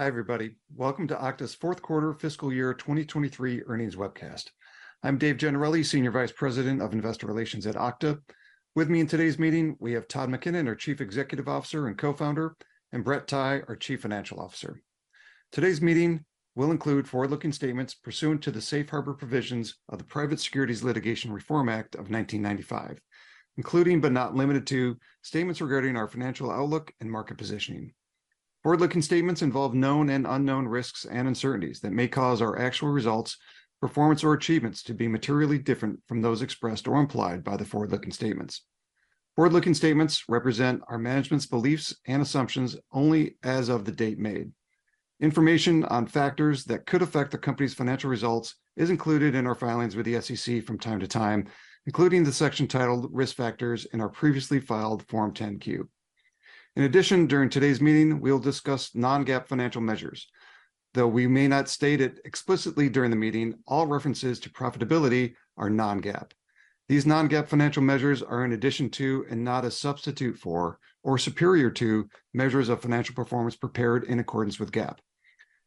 Hi, everybody. Welcome to Okta's fourth quarter fiscal year 2023 earnings webcast. I'm Dave Gennarelli, Senior Vice President of Investor Relations at Okta. With me in today's meeting, we have Todd McKinnon, our Chief Executive Officer and Co-Founder, and Brett Tighe, our Chief Financial Officer. Today's meeting will include forward-looking statements pursuant to the safe harbor provisions of the Private Securities Litigation Reform Act of 1995, including but not limited to statements regarding our financial outlook and market positioning. Forward-looking statements involve known and unknown risks and uncertainties that may cause our actual results, performance, or achievements to be materially different from those expressed or implied by the forward-looking statements. Forward-looking statements represent our management's beliefs and assumptions only as of the date made. Information on factors that could affect the company's financial results is included in our filings with the SEC from time to time, including the section titled Risk Factors in our previously filed Form 10-Q. In addition, during today's meeting, we'll discuss non-GAAP financial measures. Though we may not state it explicitly during the meeting, all references to profitability are non-GAAP. These non-GAAP financial measures are in addition to and not a substitute for or superior to measures of financial performance prepared in accordance with GAAP.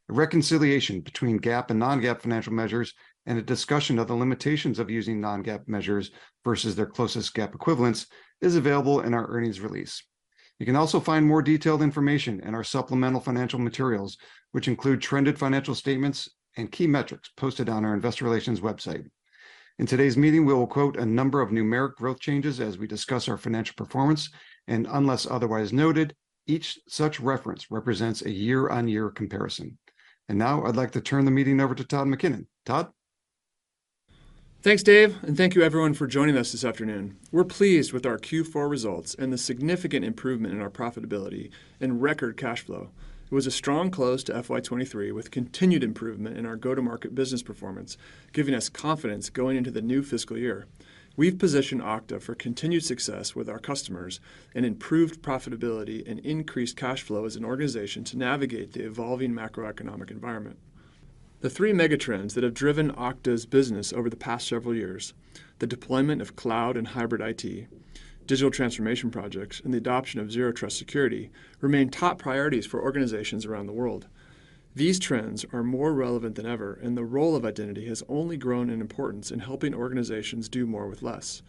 A reconciliation between GAAP and non-GAAP financial measures and a discussion of the limitations of using non-GAAP measures versus their closest GAAP equivalents is available in our earnings release. You can also find more detailed information in our supplemental financial materials, which include trended financial statements and key metrics posted on our investor relations website. In today's meeting, we will quote a number of numeric growth changes as we discuss our financial performance, and unless otherwise noted, each such reference represents a year-over-year comparison. Now I'd like to turn the meeting over to Todd McKinnon. Todd? Thanks, Dave, thank you everyone for joining us this afternoon. We're pleased with our Q4 results and the significant improvement in our profitability and record cash flow. It was a strong close to FY 2023 with continued improvement in our go-to-market business performance, giving us confidence going into the new fiscal year. We've positioned Okta for continued success with our customers and improved profitability and increased cash flow as an organization to navigate the evolving macroeconomic environment. The three mega trends that have driven Okta's business over the past several years, the deployment of cloud and hybrid IT, digital transformation projects, and the adoption of Zero Trust security, remain top priorities for organizations around the world. These trends are more relevant than ever, the role of identity has only grown in importance in helping organizations do more with less.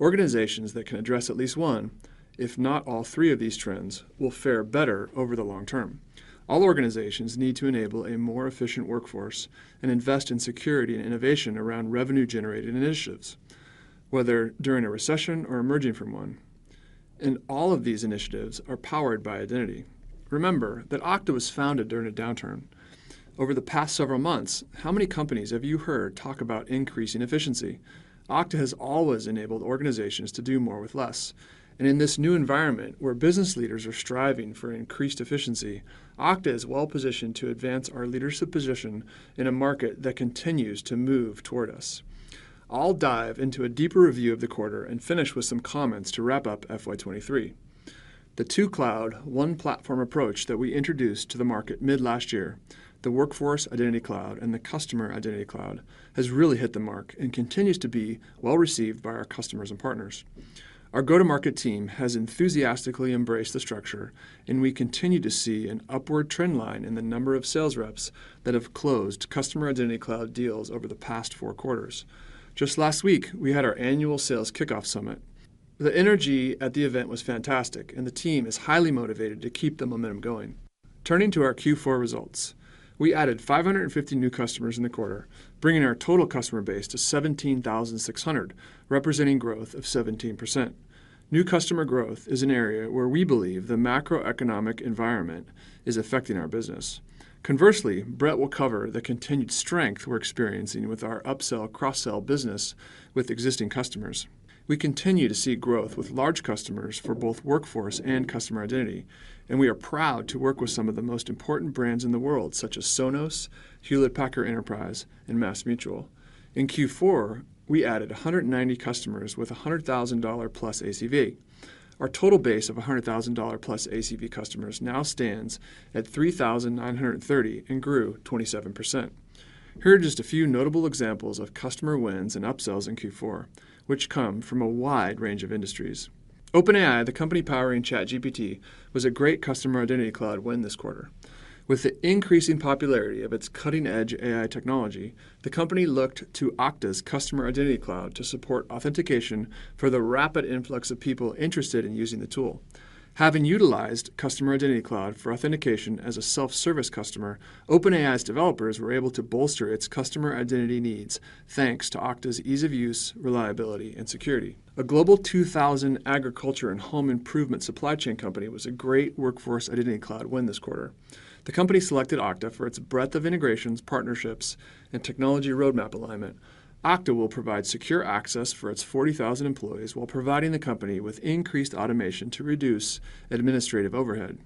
Organizations that can address at least one, if not all three of these trends, will fare better over the long term. All organizations need to enable a more efficient workforce and invest in security and innovation around revenue-generating initiatives, whether during a recession or emerging from one. All of these initiatives are powered by identity. Remember that Okta was founded during a downturn. Over the past several months, how many companies have you heard talk about increasing efficiency? Okta has always enabled organizations to do more with less. In this new environment where business leaders are striving for increased efficiency, Okta is well positioned to advance our leadership position in a market that continues to move toward us. I'll dive into a deeper review of the quarter and finish with some comments to wrap up FY 2023. The two-cloud, one-platform approach that we introduced to the market mid last year, the Workforce Identity Cloud and the Customer Identity Cloud, has really hit the mark and continues to be well-received by our customers and partners. Our go-to-market team has enthusiastically embraced the structure, and we continue to see an upward trend line in the number of sales reps that have closed Customer Identity Cloud deals over the past four quarters. Just last week, we had our annual Sales Kickoff summit. The energy at the event was fantastic, and the team is highly motivated to keep the momentum going. Turning to our Q4 results, we added 550 new customers in the quarter, bringing our total customer base to 17,600, representing growth of 17%. New customer growth is an area where we believe the macroeconomic environment is affecting our business. Conversely, Brett will cover the continued strength we're experiencing with our upsell, cross-sell business with existing customers. We continue to see growth with large customers for both Workforce and Customer Identity, and we are proud to work with some of the most important brands in the world, such as Sonos, Hewlett Packard Enterprise, and MassMutual. In Q4, we added 190 customers with a $100,000+ ACV. Our total base of $100,000+ ACV customers now stands at 3,930 and grew 27%. Here are just a few notable examples of customer wins and upsells in Q4, which come from a wide range of industries. OpenAI, the company powering ChatGPT, was a great Customer Identity Cloud win this quarter. With the increasing popularity of its cutting-edge AI technology, the company looked to Okta's Customer Identity Cloud to support authentication for the rapid influx of people interested in using the tool. Having utilized Customer Identity Cloud for authentication as a self-service customer, OpenAI's developers were able to bolster its Customer Identity needs, thanks to Okta's ease of use, reliability, and security. A Global 2,000 agriculture and home improvement supply chain company was a great Workforce Identity Cloud win this quarter. The company selected Okta for its breadth of integrations, partnerships, and technology roadmap alignment. Okta will provide secure access for its 40,000 employees while providing the company with increased automation to reduce administrative overhead.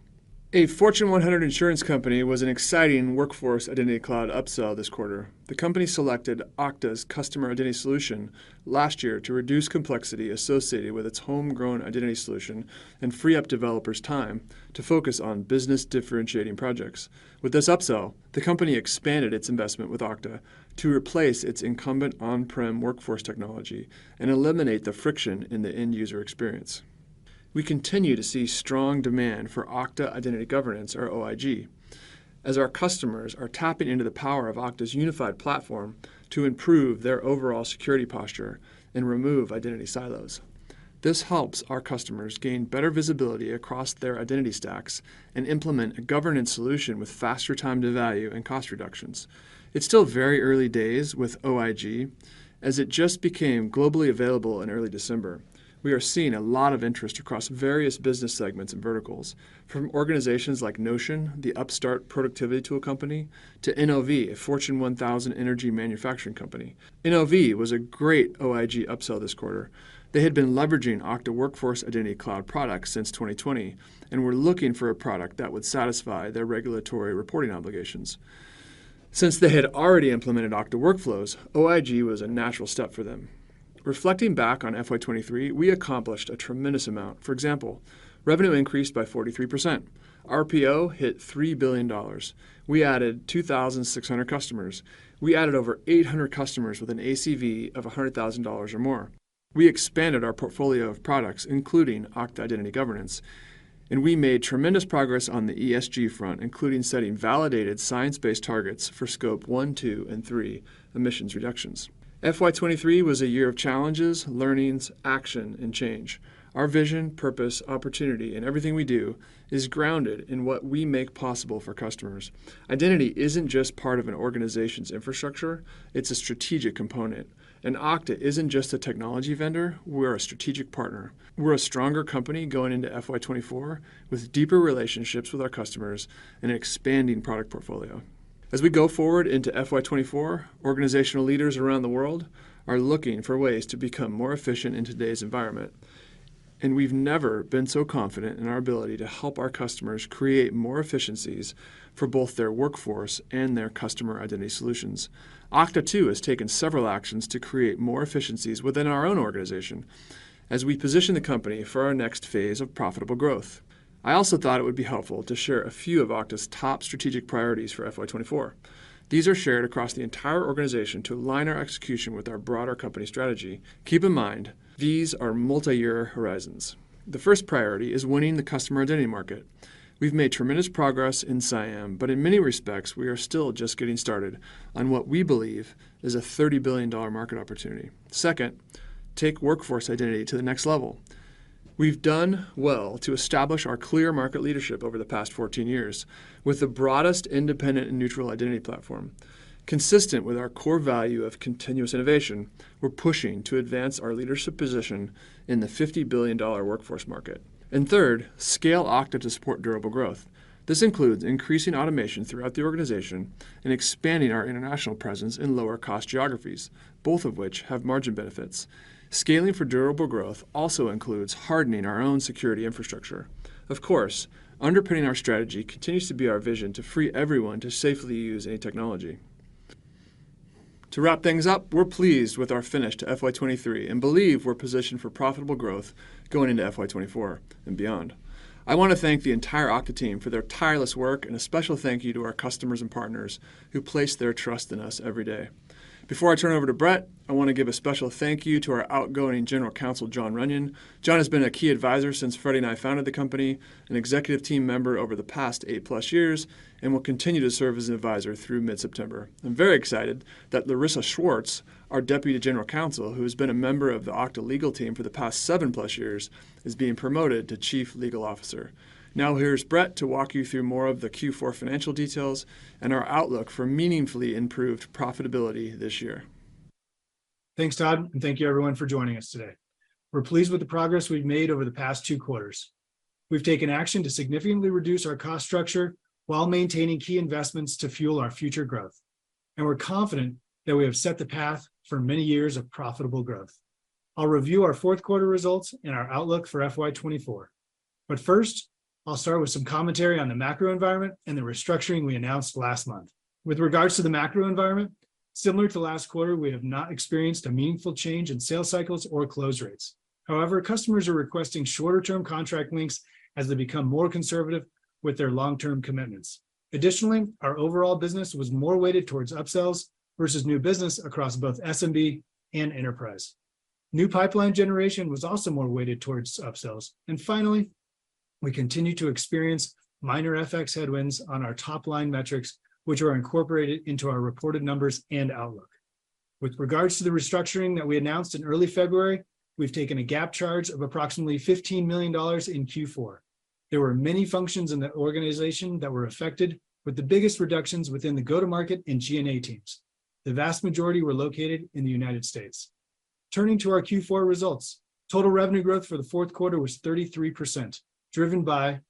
A Fortune 100 insurance company was an exciting Workforce Identity Cloud upsell this quarter. The company selected Okta's Customer Identity solution last year to reduce complexity associated with its homegrown identity solution and free up developers' time to focus on business-differentiating projects. With this upsell, the company expanded its investment with Okta to replace its incumbent on-prem workforce technology and eliminate the friction in the end-user experience. We continue to see strong demand for Okta Identity Governance, or OIG, as our customers are tapping into the power of Okta's unified platform to improve their overall security posture and remove identity silos. This helps our customers gain better visibility across their identity stacks and implement a governance solution with faster time to value and cost reductions. It's still very early days with OIG, as it just became globally available in early December. We are seeing a lot of interest across various business segments and verticals, from organizations like Notion, the upstart productivity tool company, to NOV, a Fortune 1000 energy manufacturing company. NOV was a great OIG upsell this quarter. They had been leveraging Okta Workforce Identity Cloud products since 2020 and were looking for a product that would satisfy their regulatory reporting obligations. Since they had already implemented Okta Workflows, OIG was a natural step for them. Reflecting back on FY 2023, we accomplished a tremendous amount. For example, revenue increased by 43%. RPO hit $3 billion. We added 2,600 customers. We added over 800 customers with an ACV of $100,000 or more. We expanded our portfolio of products, including Okta Identity Governance, and we made tremendous progress on the ESG front, including setting validated science-based targets for Scope 1, 2, and 3 emissions reductions. FY 2023 was a year of challenges, learnings, action, and change. Our vision, purpose, opportunity, and everything we do is grounded in what we make possible for customers. Identity isn't just part of an organization's infrastructure, it's a strategic component. Okta isn't just a technology vendor, we're a strategic partner. We're a stronger company going into FY 2024 with deeper relationships with our customers and an expanding product portfolio. As we go forward into FY 2024, organizational leaders around the world are looking for ways to become more efficient in today's environment, and we've never been so confident in our ability to help our customers create more efficiencies for both their workforce and their Customer Identity solutions. Okta, too, has taken several actions to create more efficiencies within our own organization as we position the company for our next phase of profitable growth. I also thought it would be helpful to share a few of Okta's top strategic priorities for FY 2024. These are shared across the entire organization to align our execution with our broader company strategy. Keep in mind, these are multi-year horizons. The first priority is winning the Customer Identity market. We've made tremendous progress in CIAM, but in many respects, we are still just getting started on what we believe is a $30 billion market opportunity. Second, take Workforce Identity to the next level. We've done well to establish our clear market leadership over the past 14 years with the broadest independent and neutral identity platform. Consistent with our core value of continuous innovation, we're pushing to advance our leadership position in the $50 billion workforce market. Third, scale Okta to support durable growth. This includes increasing automation throughout the organization and expanding our international presence in lower cost geographies, both of which have margin benefits. Scaling for durable growth also includes hardening our own security infrastructure. Of course, underpinning our strategy continues to be our vision to free everyone to safely use any technology. To wrap things up, we're pleased with our finish to FY 2023 and believe we're positioned for profitable growth going into FY 2024 and beyond. I want to thank the entire Okta team for their tireless work, and a special thank you to our customers and partners who place their trust in us every day. Before I turn it over to Brett, I want to give a special thank you to our outgoing General Counsel, Jon Runyan. Jon has been a key advisor since Freddy and I founded the company, an executive team member over the past 8+ years, and will continue to serve as an advisor through mid-September. I'm very excited that Larissa Schwartz, our Deputy General Counsel, who has been a member of the Okta legal team for the past 7+ years, is being promoted to Chief Legal Officer. Now here's Brett to walk you through more of the Q4 financial details and our outlook for meaningfully improved profitability this year. Thanks, Todd, and thank you everyone for joining us today. We're pleased with the progress we've made over the past two quarters. We've taken action to significantly reduce our cost structure while maintaining key investments to fuel our future growth, and we're confident that we have set the path for many years of profitable growth. I'll review our fourth quarter results and our outlook for FY 2024. First, I'll start with some commentary on the macro environment and the restructuring we announced last month. With regards to the macro environment, similar to last quarter, we have not experienced a meaningful change in sales cycles or close rates. However, customers are requesting shorter term contract links as they become more conservative with their long-term commitments. Additionally, our overall business was more weighted towards upsells versus new business across both SMB and enterprise. New pipeline generation was also more weighted towards upsells. Finally, we continue to experience minor FX headwinds on our top-line metrics, which are incorporated into our reported numbers and outlook. With regards to the restructuring that we announced in early February, we've taken a GAAP charge of approximately $15 million in Q4. There were many functions in the organization that were affected, with the biggest reductions within the go-to-market and G&A teams. The vast majority were located in the United States. Turning to our Q4 results, total revenue growth for the fourth quarter was 33%, driven by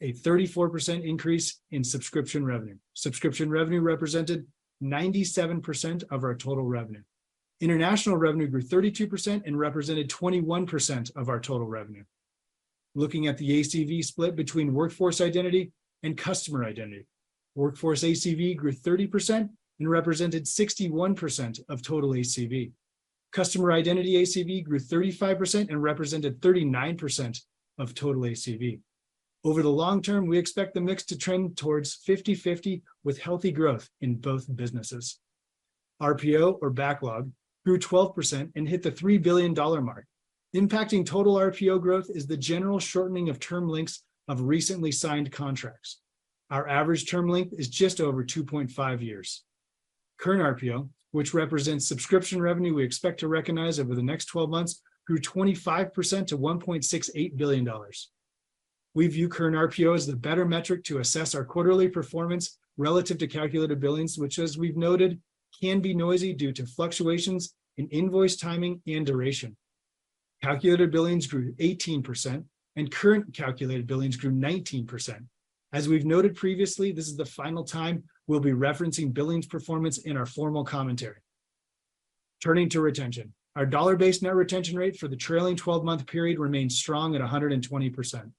a 34% increase in subscription revenue. Subscription revenue represented 97% of our total revenue. International revenue grew 32% and represented 21% of our total revenue. Looking at the ACV split between Workforce Identity and Customer Identity, Workforce ACV grew 30% and represented 61% of total ACV. Customer Identity ACV grew 35% and represented 39% of total ACV. Over the long term, we expect the mix to trend towards 50/50 with healthy growth in both businesses. RPO or backlog grew 12% and hit the $3 billion mark. Impacting total RPO growth is the general shortening of term lengths of recently signed contracts. Our average term length is just over 2.5 years. Current RPO, which represents subscription revenue we expect to recognize over the next 12 months, grew 25% to $1.68 billion. We view Current RPO as the better metric to assess our quarterly performance relative to calculated billings, which as we've noted, can be noisy due to fluctuations in invoice timing and duration. Calculated billings grew 18% and current calculated billings grew 19%. As we've noted previously, this is the final time we'll be referencing billings performance in our formal commentary. Turning to retention. Our dollar-based net retention rate for the trailing 12-month period remains strong at 120%.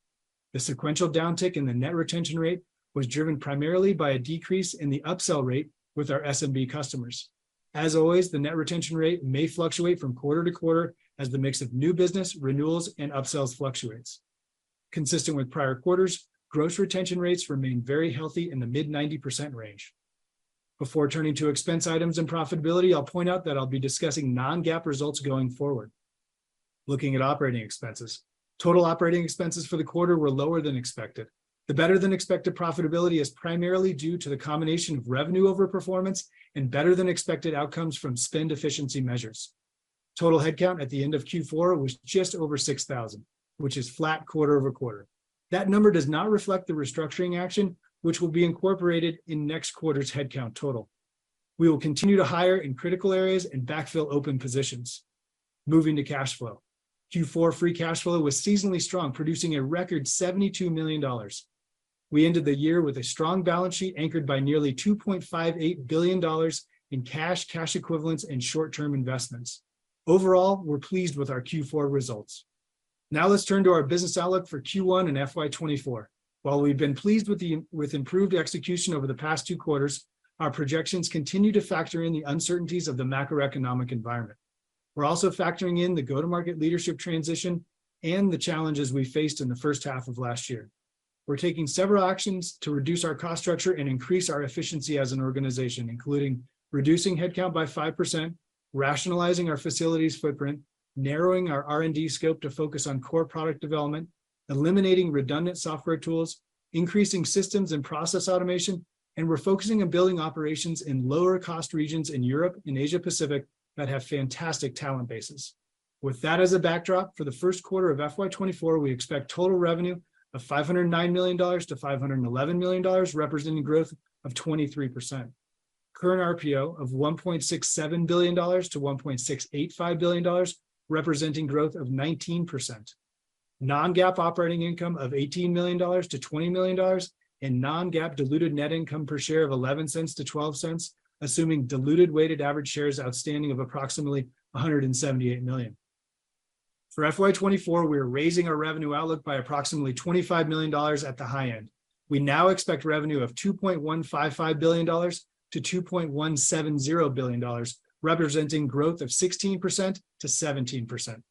The sequential downtick in the net retention rate was driven primarily by a decrease in the upsell rate with our SMB customers. As always, the net retention rate may fluctuate from quarter to quarter as the mix of new business renewals and upsells fluctuates. Consistent with prior quarters, gross retention rates remain very healthy in the mid-90% range. Before turning to expense items and profitability, I'll point out that I'll be discussing non-GAAP results going forward. Looking at operating expenses. Total operating expenses for the quarter were lower than expected. The better-than-expected profitability is primarily due to the combination of revenue overperformance and better than expected outcomes from spend efficiency measures. Total headcount at the end of Q4 was just over 6,000, which is flat quarter-over-quarter. That number does not reflect the restructuring action, which will be incorporated in next quarter's headcount total. We will continue to hire in critical areas and backfill open positions. Moving to cash flow. Q4 free cash flow was seasonally strong, producing a record $72 million. We ended the year with a strong balance sheet anchored by nearly $2.58 billion in cash equivalents, and short-term investments. Overall, we're pleased with our Q4 results. Now let's turn to our business outlook for Q1 and FY 2024. While we've been pleased with improved execution over the past two quarters, our projections continue to factor in the uncertainties of the macroeconomic environment. We're also factoring in the go-to-market leadership transition and the challenges we faced in the first half of last year. We're taking several actions to reduce our cost structure and increase our efficiency as an organization, including reducing head count by 5%, rationalizing our facilities footprint, narrowing our R&D scope to focus on core product development, eliminating redundant software tools, increasing systems and process automation, and we're focusing on building operations in lower cost regions in Europe and Asia-Pacific that have fantastic talent bases. With that as a backdrop, for the first quarter of FY 2024, we expect total revenue of $509 million-$511 million, representing growth of 23%. Current RPO of $1.67 billion-$1.685 billion, representing growth of 19%. Non-GAAP operating income of $18 million-$20 million, and non-GAAP diluted net income per share of $0.11-$0.12, assuming diluted weighted average shares outstanding of approximately 178 million. For FY 2024, we are raising our revenue outlook by approximately $25 million at the high end. We now expect revenue of $2.155 billion-$2.170 billion, representing growth of 16%-17%.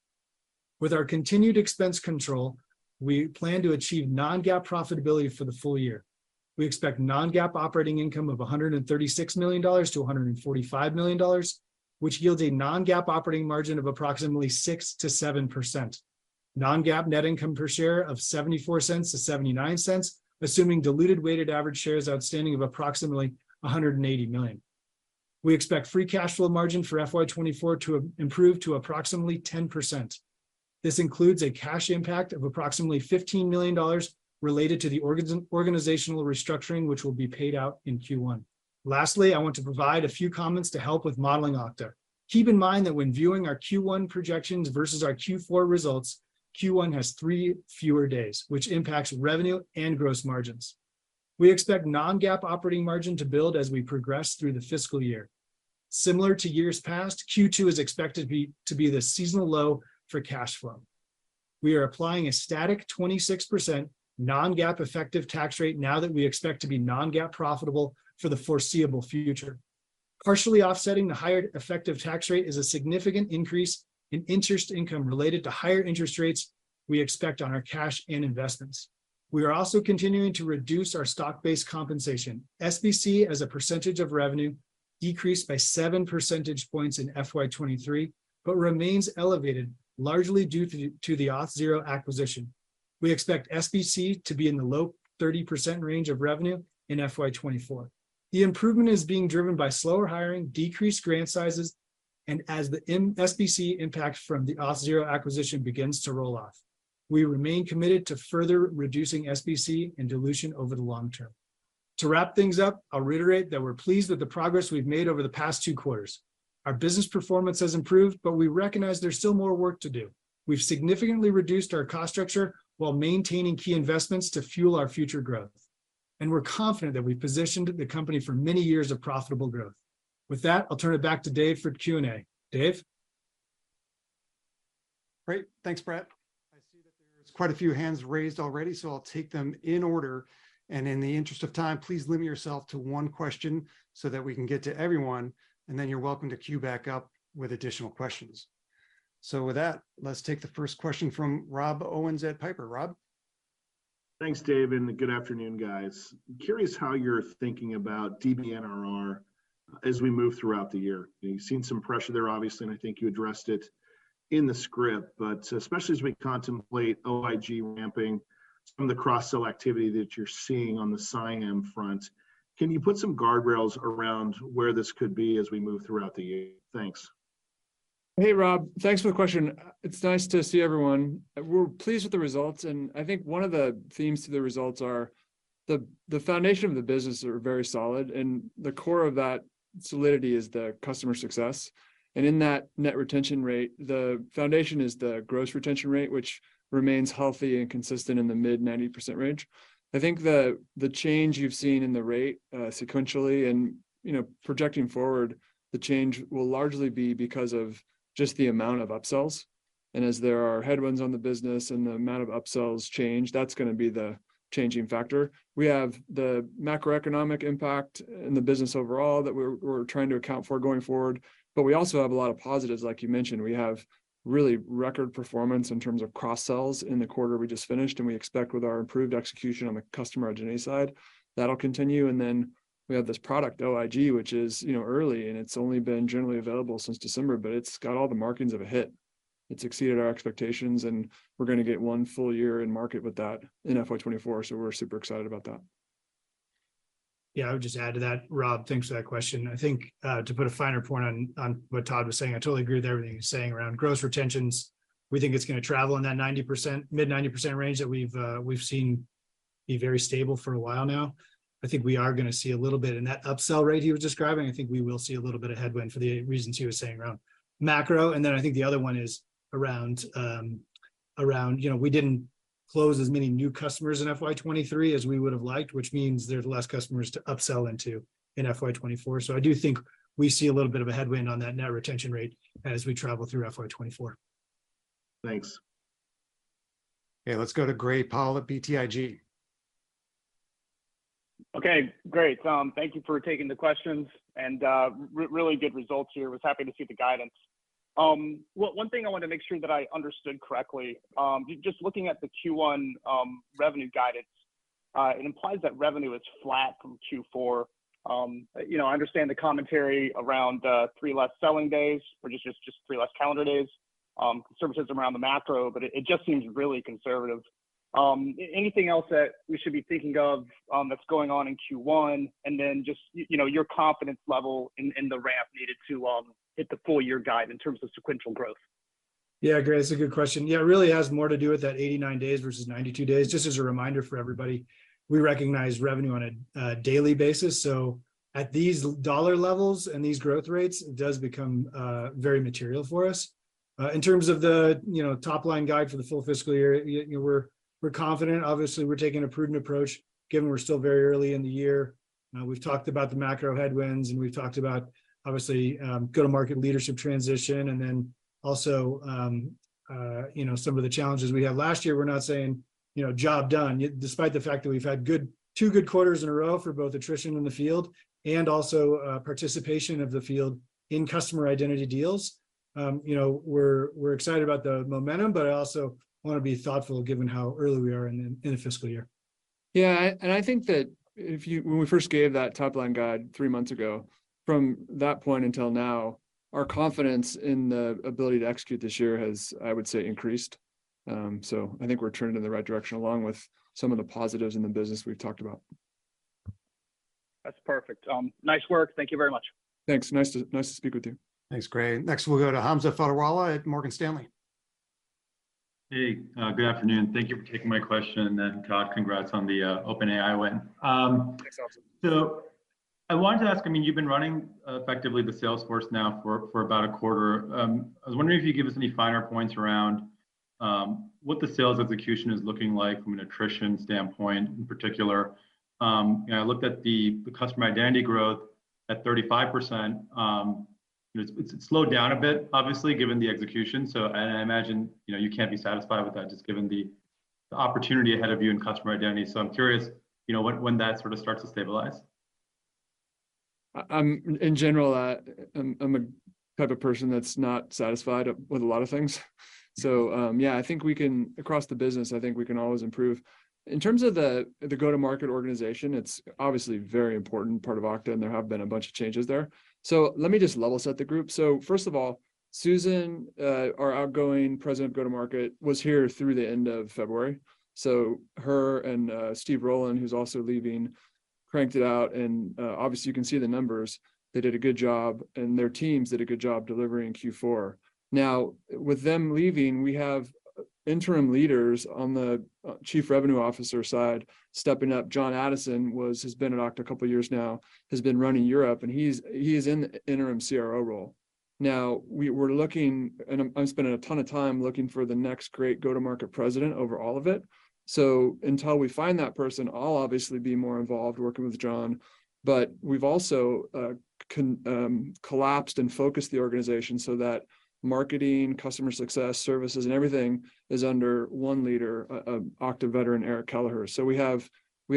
With our continued expense control, we plan to achieve non-GAAP profitability for the full year. We expect non-GAAP operating income of $136 million-$145 million, which yields a non-GAAP operating margin of approximately 6%-7%. Non-GAAP net income per share of $0.74 to $0.79, assuming diluted weighted average shares outstanding of approximately 180 million. We expect free cash flow margin for FY 2024 to improve to approximately 10%. This includes a cash impact of approximately $15 million related to the organizational restructuring, which will be paid out in Q1. Lastly, I want to provide a few comments to help with modeling Okta. Keep in mind that when viewing our Q1 projections versus our Q4 results, Q1 has three fewer days, which impacts revenue and gross margins. We expect non-GAAP operating margin to build as we progress through the fiscal year. Similar to years past, Q2 is expected to be the seasonal low for cash flow. We are applying a static 26% non-GAAP effective tax rate now that we expect to be non-GAAP profitable for the foreseeable future. Partially offsetting the higher effective tax rate is a significant increase in interest income related to higher interest rates we expect on our cash and investments. We are also continuing to reduce our stock-based compensation. SBC as a percentage of revenue decreased by 7 percentage points in FY 2023, but remains elevated largely due to the Auth0 acquisition. We expect SBC to be in the low 30% range of revenue in FY 2024. The improvement is being driven by slower hiring, decreased grant sizes, and as the SBC impact from the Auth0 acquisition begins to roll off. We remain committed to further reducing SBC and dilution over the long term. To wrap things up, I'll reiterate that we're pleased with the progress we've made over the past two quarters. Our business performance has improved, but we recognize there's still more work to do. We've significantly reduced our cost structure while maintaining key investments to fuel our future growth. We're confident that we've positioned the company for many years of profitable growth. With that, I'll turn it back to Dave for Q&A. Dave? Great. Thanks, Brett. I see that there's quite a few hands raised already, so I'll take them in order. In the interest of time, please limit yourself to one question so that we can get to everyone, and then you're welcome to queue back up with additional questions. With that, let's take the first question from Rob Owens at Piper. Rob? Thanks, Dave. Good afternoon, guys. Curious how you're thinking about DBNRR as we move throughout the year. We've seen some pressure there obviously, and I think you addressed it in the script. Especially as we contemplate OIG ramping from the cross-sell activity that you're seeing on the CIAM front, can you put some guardrails around where this could be as we move throughout the year? Thanks. Hey, Rob. Thanks for the question. It's nice to see everyone. We're pleased with the results. I think one of the themes to the results are the foundation of the business are very solid, and the core of that solidity is the customer success. In that net retention rate, the foundation is the gross retention rate, which remains healthy and consistent in the mid-90% range. I think the change you've seen in the rate, sequentially and, you know, projecting forward, the change will largely be because of just the amount of upsells. As there are headwinds on the business and the amount of upsells change, that's gonna be the changing factor. We have the macroeconomic impact in the business overall that we're trying to account for going forward, but we also have a lot of positives, like you mentioned. We have really record performance in terms of cross-sells in the quarter we just finished, and we expect with our improved execution on the Customer Identity side, that'll continue. Then we have this product, OIG, which is, you know, early, and it's only been generally available since December, but it's got all the markings of a hit. It's exceeded our expectations, and we're gonna get one full year in market with that in FY 2024, so we're super excited about that. Yeah. I would just add to that, Rob. Thanks for that question. I think to put a finer point on what Todd was saying, I totally agree with everything he's saying around gross retentions. We think it's gonna travel in that 90%, mid-90% range that we've seen be very stable for a while now. I think we are gonna see a little bit of net upsell rate he was describing. I think we will see a little bit of headwind for the reasons he was saying around macro. Then I think the other one is around, you know, we didn't close as many new customers in FY 2023 as we would've liked, which means there's less customers to upsell into in FY 2024. I do think we see a little bit of a headwind on that net retention rate as we travel through FY 2024. Thanks. Okay, let's go to Gray Powell at BTIG. Okay. Great. Thank you for taking the questions and really good results here. Was happy to see the guidance. One thing I wanted to make sure that I understood correctly, just looking at the Q1 revenue guidance, it implies that revenue is flat from Q4. You know, I understand the commentary around three less selling days, which is just three less calendar days, services around the macro, but it just seems really conservative. Anything else that we should be thinking of that's going on in Q1, and then just, you know, your confidence level in the ramp needed to hit the full year guide in terms of sequential growth? Gray, that's a good question. It really has more to do with that 89 days versus 92 days. Just as a reminder for everybody, we recognize revenue on a daily basis, so at these dollar levels and these growth rates, it does become very material for us. In terms of the, you know, top-line guide for the full fiscal year, you know, we're confident. Obviously, we're taking a prudent approach given we're still very early in the year. We've talked about the macro headwinds, and we've talked about obviously, go-to-market leadership transition and then also, you know, some of the challenges we had last year. We're not saying, you know, job done, despite the fact that we've had two good quarters in a row for both attrition in the field and also participation of the field in Customer Identity deals. You know, we're excited about the momentum, but I also wanna be thoughtful given how early we are in the fiscal year. Yeah. I think that when we first gave that top-line guide three months ago, from that point until now, our confidence in the ability to execute this year has, I would say, increased. I think we're turning in the right direction along with some of the positives in the business we've talked about. That's perfect. Nice work. Thank you very much. Thanks. Nice to speak with you. Thanks, Gray. Next, we'll go to Hamza Fodderwala at Morgan Stanley. Hey, good afternoon. Thank you for taking my question. Todd, congrats on the OpenAI win. Thanks, Hamza. I wanted to ask, I mean, you've been running effectively the sales force now for about a quarter. I was wondering if you'd give us any finer points around what the sales execution is looking like from an attrition standpoint in particular. You know, I looked at the Customer Identity growth at 35%. It's slowed down a bit, obviously, given the execution. I imagine, you know, you can't be satisfied with that just given the opportunity ahead of you in Customer Identity. I'm curious, you know, when that sort of starts to stabilize. I'm, in general, I'm a type of person that's not satisfied with a lot of things. Yeah, I think we can across the business, I think we can always improve. In terms of the go-to-market organization, it's obviously a very important part of Okta, and there have been a bunch of changes there. Let me just level set the group. First of all, Susan, our outgoing President of Go-to-Market, was here through the end of February. Her and Steve Rowland, who's also leaving, cranked it out. Obviously, you can see the numbers. They did a good job, and their teams did a good job delivering Q4. Now, with them leaving, we have interim leaders on the Chief Revenue Officer side stepping up. Jon Addison has been at Okta a couple years now, has been running Europe, and he is in the interim CRO role. We're looking, and I'm spending a ton of time looking for the next great go-to-market president over all of it. Until we find that person, I'll obviously be more involved working with Jon. We've also collapsed and focused the organization so that marketing, customer success, services, and everything is under one leader, Okta veteran Eric Kelleher. We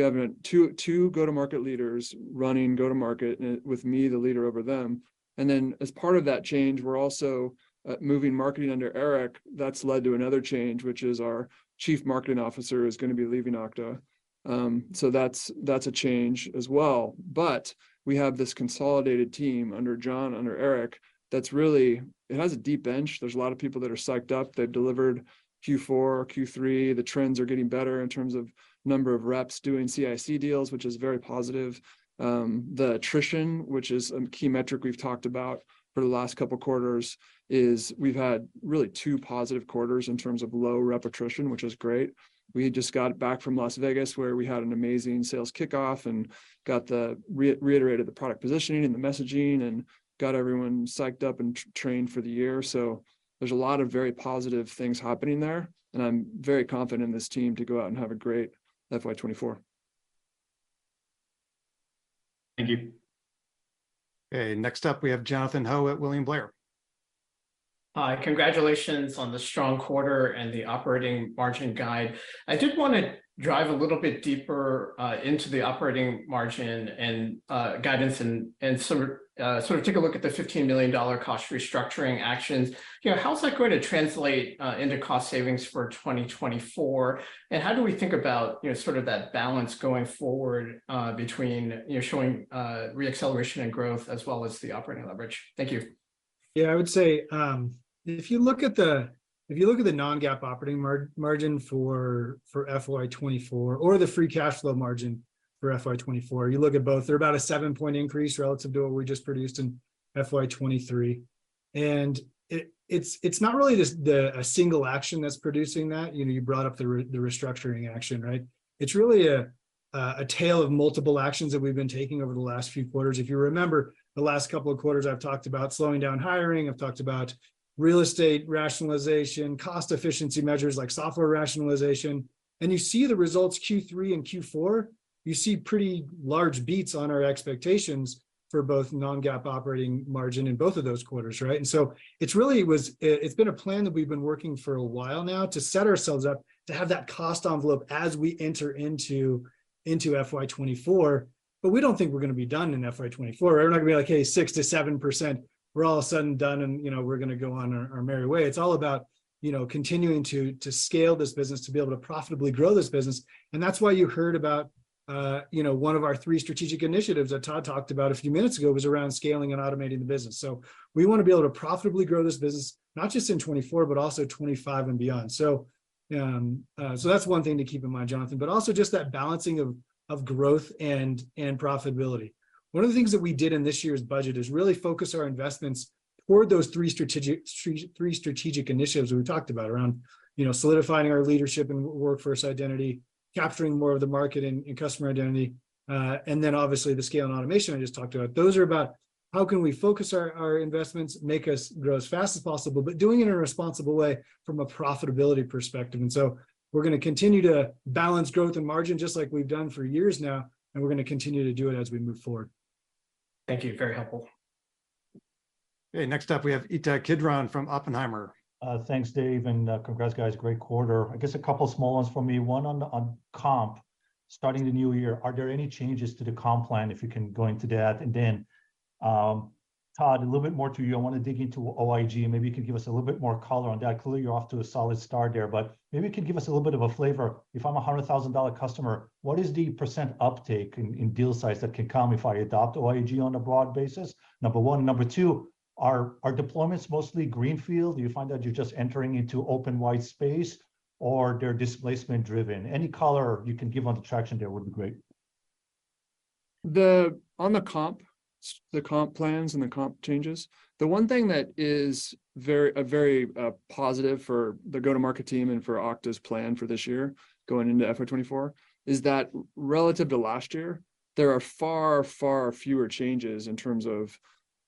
have two go-to-market leaders running go-to-market and with me the leader over them. As part of that change, we're also moving marketing under Eric. That's led to another change, which is our Chief Marketing Officer is going to be leaving Okta. That's a change as well. We have this consolidated team under Jon, under Eric, that's really. It has a deep bench. There's a lot of people that are psyched up. They've delivered Q4, Q3. The trends are getting better in terms of number of reps doing CIC deals, which is very positive. The attrition, which is a key metric we've talked about for the last couple quarters, is we've had really two positive quarters in terms of low rep attrition, which is great. We just got back from Las Vegas, where we had an amazing sales kickoff and got the reiterated the product positioning and the messaging and got everyone psyched up and trained for the year. There's a lot of very positive things happening there, and I'm very confident in this team to go out and have a great FY 2024. Thank you. Okay. Next up, we have Jonathan Ho at William Blair. Hi. Congratulations on the strong quarter and the operating margin guide. I did wanna drive a bit deeper into the operating margin and guidance and sort of take a look at the $15 million cost restructuring actions. You know, how's that going to translate into cost savings for 2024? How do we think about, you know, sort of that balance going forward between, you know, showing re-acceleration and growth as well as the operating leverage? Thank you. Yeah. I would say, if you look at the, if you look at the non-GAAP operating margin for FY 2024 or the free cash flow margin for FY 2024, you look at both, they're about a 7-point increase relative to what we just produced in FY 2023. It's, it's not really just the, a single action that's producing that. You know, you brought up the restructuring action, right? It's really a tale of multiple actions that we've been taking over the last few quarters. If you remember, the last couple of quarters I've talked about slowing down hiring, I've talked about real estate rationalization, cost efficiency measures like software rationalization, you see the results Q3 and Q4. You see pretty large beats on our expectations for both non-GAAP operating margin in both of those quarters, right? It's really been a plan that we've been working for a while now to set ourselves up to have that cost envelope as we enter into FY 2024. We don't think we're gonna be done in FY 2024. We're not gonna be like, "Hey, 6%-7%." We're all of a sudden done, and, you know, we're gonna go on our merry way. It's all about, you know, continuing to scale this business, to be able to profitably grow this business, and that's why you heard about, you know, one of our three strategic initiatives that Todd talked about a few minutes ago, was around scaling and automating the business. We wanna be able to profitably grow this business, not just in 2024, but also 2025 and beyond. That's one thing to keep in mind, Jonathan, but also just that balancing of growth and profitability. One of the things that we did in this year's budget is really focus our investments toward those three strategic initiatives we talked about, around, you know, solidifying our leadership in Workforce Identity, capturing more of the market in Customer Identity, and then obviously the scale and automation I just talked about. Those are about how can we focus our investments, make us grow as fast as possible, but doing it in a responsible way from a profitability perspective. We're gonna continue to balance growth and margin just like we've done for years now, and we're gonna continue to do it as we move forward. Thank you. Very helpful. Okay. Next up, we have Ittai Kidron from Oppenheimer. Thanks, Dave, congrats guys. Great quarter. I guess a couple small ones for me. One on comp. Starting the new year, are there any changes to the comp plan, if you can go into that? Todd, a little bit more to you. I wanna dig into OIG, and maybe you could give us a little bit more color on that. Clearly, you're off to a solid start there, but maybe you could give us a little bit of a flavor. If I'm a $100,000 customer, what is the percent uptake in deal size that can come if I adopt OIG on a broad basis? Number one. Number two, are deployments mostly greenfield? Do you find that you're just entering into open wide space or they're displacement-driven? Any color you can give on the traction there would be great. On the comp plans and the comp changes, the one thing that is very, a very positive for the go-to-market team and for Okta's plan for this year going into FY 2024 is that relative to last year, there are far, far fewer changes in terms of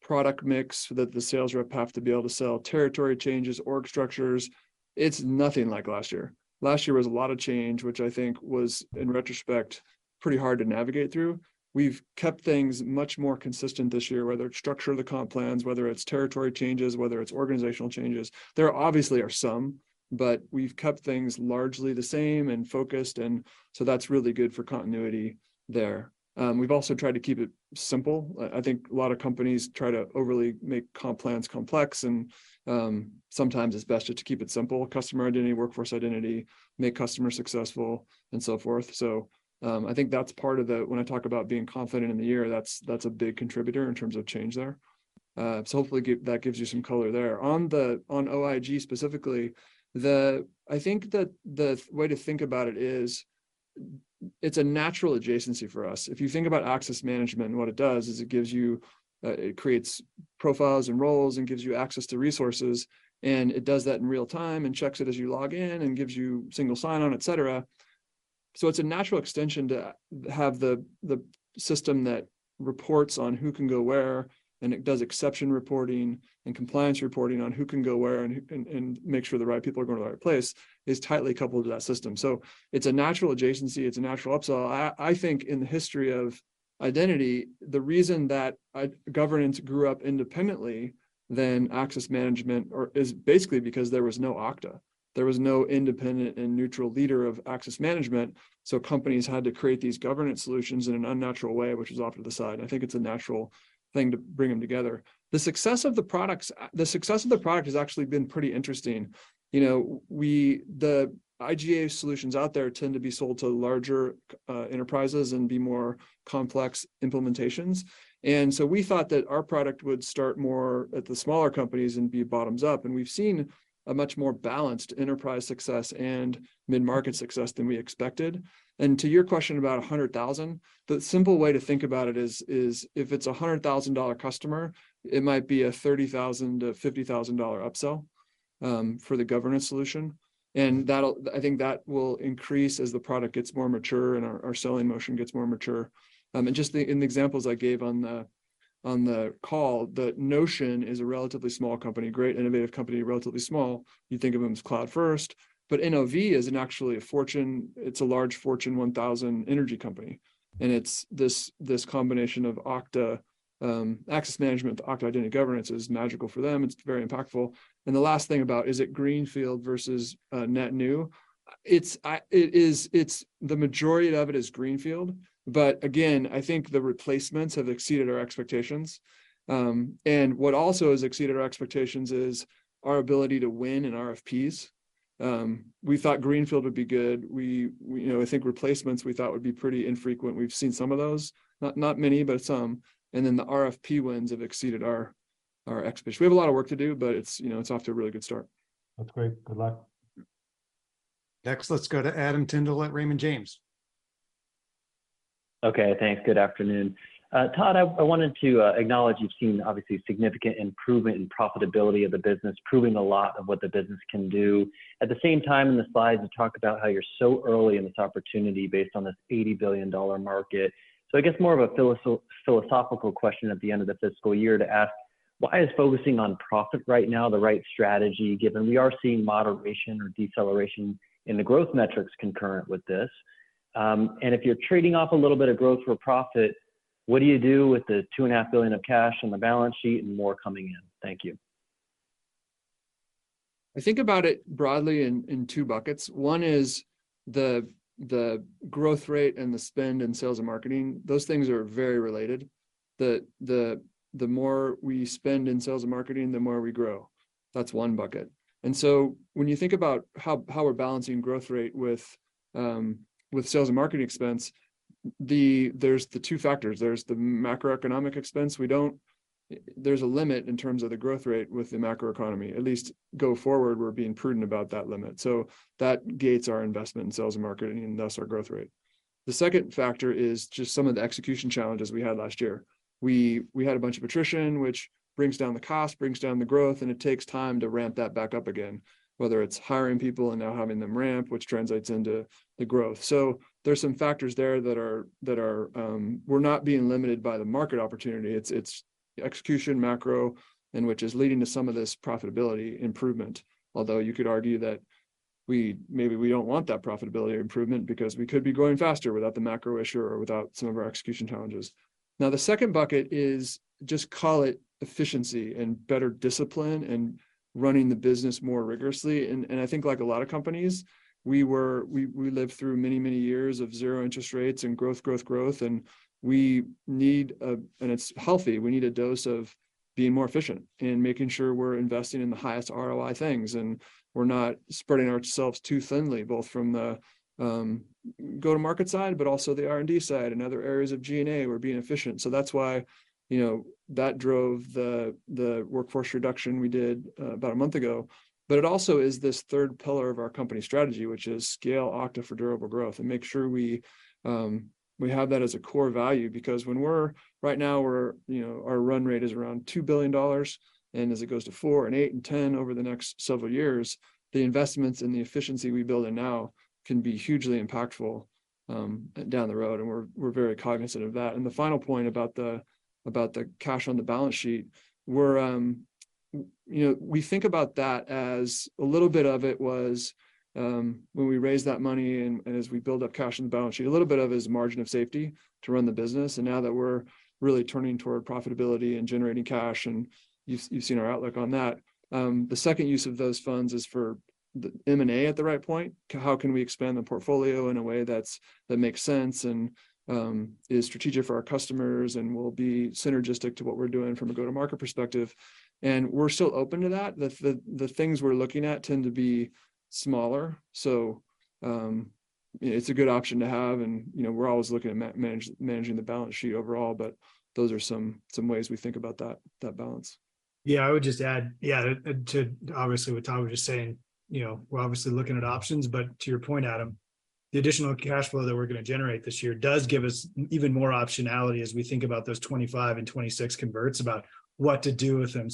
product mix that the sales rep have to be able to sell, territory changes, org structures. It's nothing like last year. Last year was a lot of change, which I think was, in retrospect, pretty hard to navigate through. We've kept things much more consistent this year, whether it's structure of the comp plans, whether it's territory changes, whether it's organizational changes. There obviously are some, but we've kept things largely the same and focused and so that's really good for continuity there. We've also tried to keep it simple. I think a lot of companies try to overly make comp plans complex, sometimes it's best just to keep it simple. Customer Identity, Workforce Identity, make customers successful, and so forth. I think that's part of the when I talk about being confident in the year, that's a big contributor in terms of change there. Hopefully that gives you some color there. On OIG specifically, I think that the way to think about it is it's a natural adjacency for us. If you think about access management and what it does, is it gives you, it creates profiles and roles and gives you access to resources, and it does that in real time and checks it as you log in and gives you single sign-on, etc. It's a natural extension to have the system that reports on who can go where, and it does exception reporting and compliance reporting on who can go where and make sure the right people are going to the right place, is tightly coupled to that system. It's a natural adjacency, it's a natural upsell item. I think in the history of identity, the reason that governance grew up independently than access management is basically because there was no Okta. There was no independent and neutral leader of access management. Companies had to create these governance solutions in an unnatural way, which is off to the side. I think it's a natural thing to bring them together. The success of the product has actually been pretty interesting. You know, the IGA solutions out there tend to be sold to larger enterprises and be more complex implementations. We thought that our product would start more at the smaller companies and be bottoms up. We've seen a much more balanced enterprise success and mid-market success than we expected. To your question about $100,000, the simple way to think about it is, if it's a $100,000 customer, it might be a $30,000-$50,000 upsell for the governance solution. I think that will increase as the product gets more mature and our selling motion gets more mature. Just in the examples I gave on the call, Notion is a relatively small company, great innovative company, relatively small. You think of them as cloud first, but NOV is actually a large Fortune 1000 energy company. It's this combination of Okta access management with Okta Identity Governance is magical for them, it's very impactful. The last thing about is it greenfield versus net new. It is, it's the majority of it is greenfield, but again, I think the replacements have exceeded our expectations. What also has exceeded our expectations is our ability to win in RFPs. We thought greenfield would be good. We, you know, I think replacements we thought would be pretty infrequent. We've seen some of those, not many, but some. Then the RFP wins have exceeded our expectations. We have a lot of work to do, but it's, you know, it's off to a really good start. That's great. Good luck. Next, let's go to Adam Tindle at Raymond James. Okay, thanks. Good afternoon. Todd, I wanted to acknowledge you've seen obviously significant improvement in profitability of the business, proving a lot of what the business can do. At the same time, in the slides, you talk about how you're so early in this opportunity based on this $80 billion market. I guess more of a philosophical question at the end of the fiscal year to ask, why is focusing on profit right now the right strategy, given we are seeing moderation or deceleration in the growth metrics concurrent with this? If you're trading off a little bit of growth for profit, what do you do with the $2.5 billion of cash on the balance sheet and more coming in? Thank you. I think about it broadly in two buckets. One is the growth rate and the spend in sales and marketing. Those things are very related. The more we spend in sales and marketing, the more we grow. That's one bucket. When you think about how we're balancing growth rate with sales and marketing expense, there's the two factors. There's the macroeconomic expense. There's a limit in terms of the growth rate with the macroeconomy. At least go forward, we're being prudent about that limit. So that gates our investment in sales and marketing, and thus our growth rate. The second factor is just some of the execution challenges we had last year. We had a bunch of attrition, which brings down the cost, brings down the growth, and it takes time to ramp that back up again, whether it's hiring people and now having them ramp, which translates into the growth. There's some factors there that are. We're not being limited by the market opportunity. It's execution macro and which is leading to some of this profitability improvement. Although you could argue that we maybe we don't want that profitability improvement because we could be growing faster without the macro issue or without some of our execution challenges. The second bucket is just call it efficiency and better discipline and running the business more rigorously. I think like a lot of companies, we were we lived through many, many years of zero interest rates and growth, growth. And it's healthy. We need a dose of being more efficient and making sure we're investing in the highest ROI things, and we're not spreading ourselves too thinly, both from the go-to-market side, but also the R&D side and other areas of G&A. We're being efficient. That's why, you know, that drove the workforce reduction we did about a month ago. It also is this third pillar of our company strategy, which is scale Okta for durable growth and make sure we have that as a core value, because right now we're, you know, our run rate is around $2 billion, and as it goes to $4 billion and $8 billion and $10 billion over the next several years, the investments and the efficiency we build in now can be hugely impactful down the road, and we're very cognizant of that. The final point about the, about the cash on the balance sheet, we're, you know, we think about that as a little bit of it was, when we raised that money and, as we build up cash on the balance sheet, a little bit of it is margin of safety to run the business. Now that we're really turning toward profitability and generating cash, and you've seen our outlook on that. The second use of those funds is for the M&A at the right point. How can we expand the portfolio in a way that makes sense and, is strategic for our customers and will be synergistic to what we're doing from a go-to-market perspective? We're still open to that. The things we're looking at tend to be smaller. It's a good option to have, and, you know, we're always looking at managing the balance sheet overall, but those are some ways we think about that balance. I would just add, yeah, to obviously what Todd was just saying, you know, we're obviously looking at options, but to your point, Adam, the additional cash flow that we're gonna generate this year does give us even more optionality as we think about those 2025 and 2026 converts about what to do with them.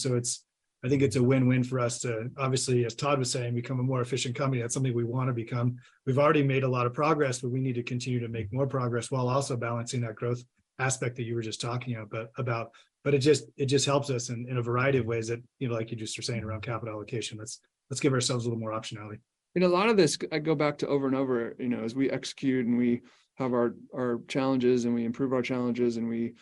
I think it's a win-win for us to, obviously, as Todd was saying, become a more efficient company. That's something we want to become. We've already made a lot of progress, but we need to continue to make more progress while also balancing that growth aspect that you were just talking, you know, about. It just helps us in a variety of ways that, you know, like you just were saying around capital allocation, let's give ourselves a little more optionality. A lot of this I go back to over and over, you know, as we execute and we have our challenges, and we improve our challenges, and we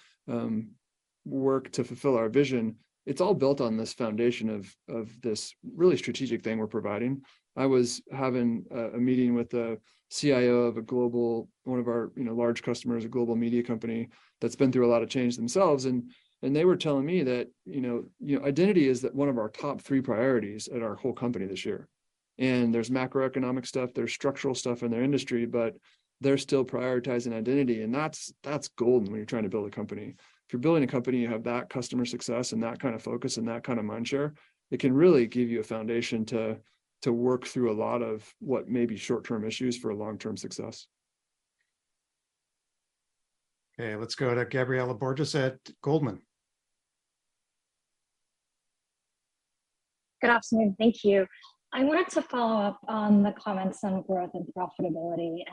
work to fulfill our vision, it's all built on this foundation of this really strategic thing we're providing. I was having a meeting with a CIO of a global, one of our, you know, large customers, a global media company that's been through a lot of change themselves, and they were telling me that, you know, "Identity is one of our top three priorities at our whole company this year." There's macroeconomic stuff, there's structural stuff in their industry, but they're still prioritizing identity, and that's golden when you're trying to build a company. If you're building a company and you have that customer success and that kind of focus and that kind of mind share, it can really give you a foundation to work through a lot of what may be short-term issues for a long-term success. Okay, let's go to Gabriela Borges at Goldman. Good afternoon. Thank you. I wanted to follow up on the comments on growth and profitability.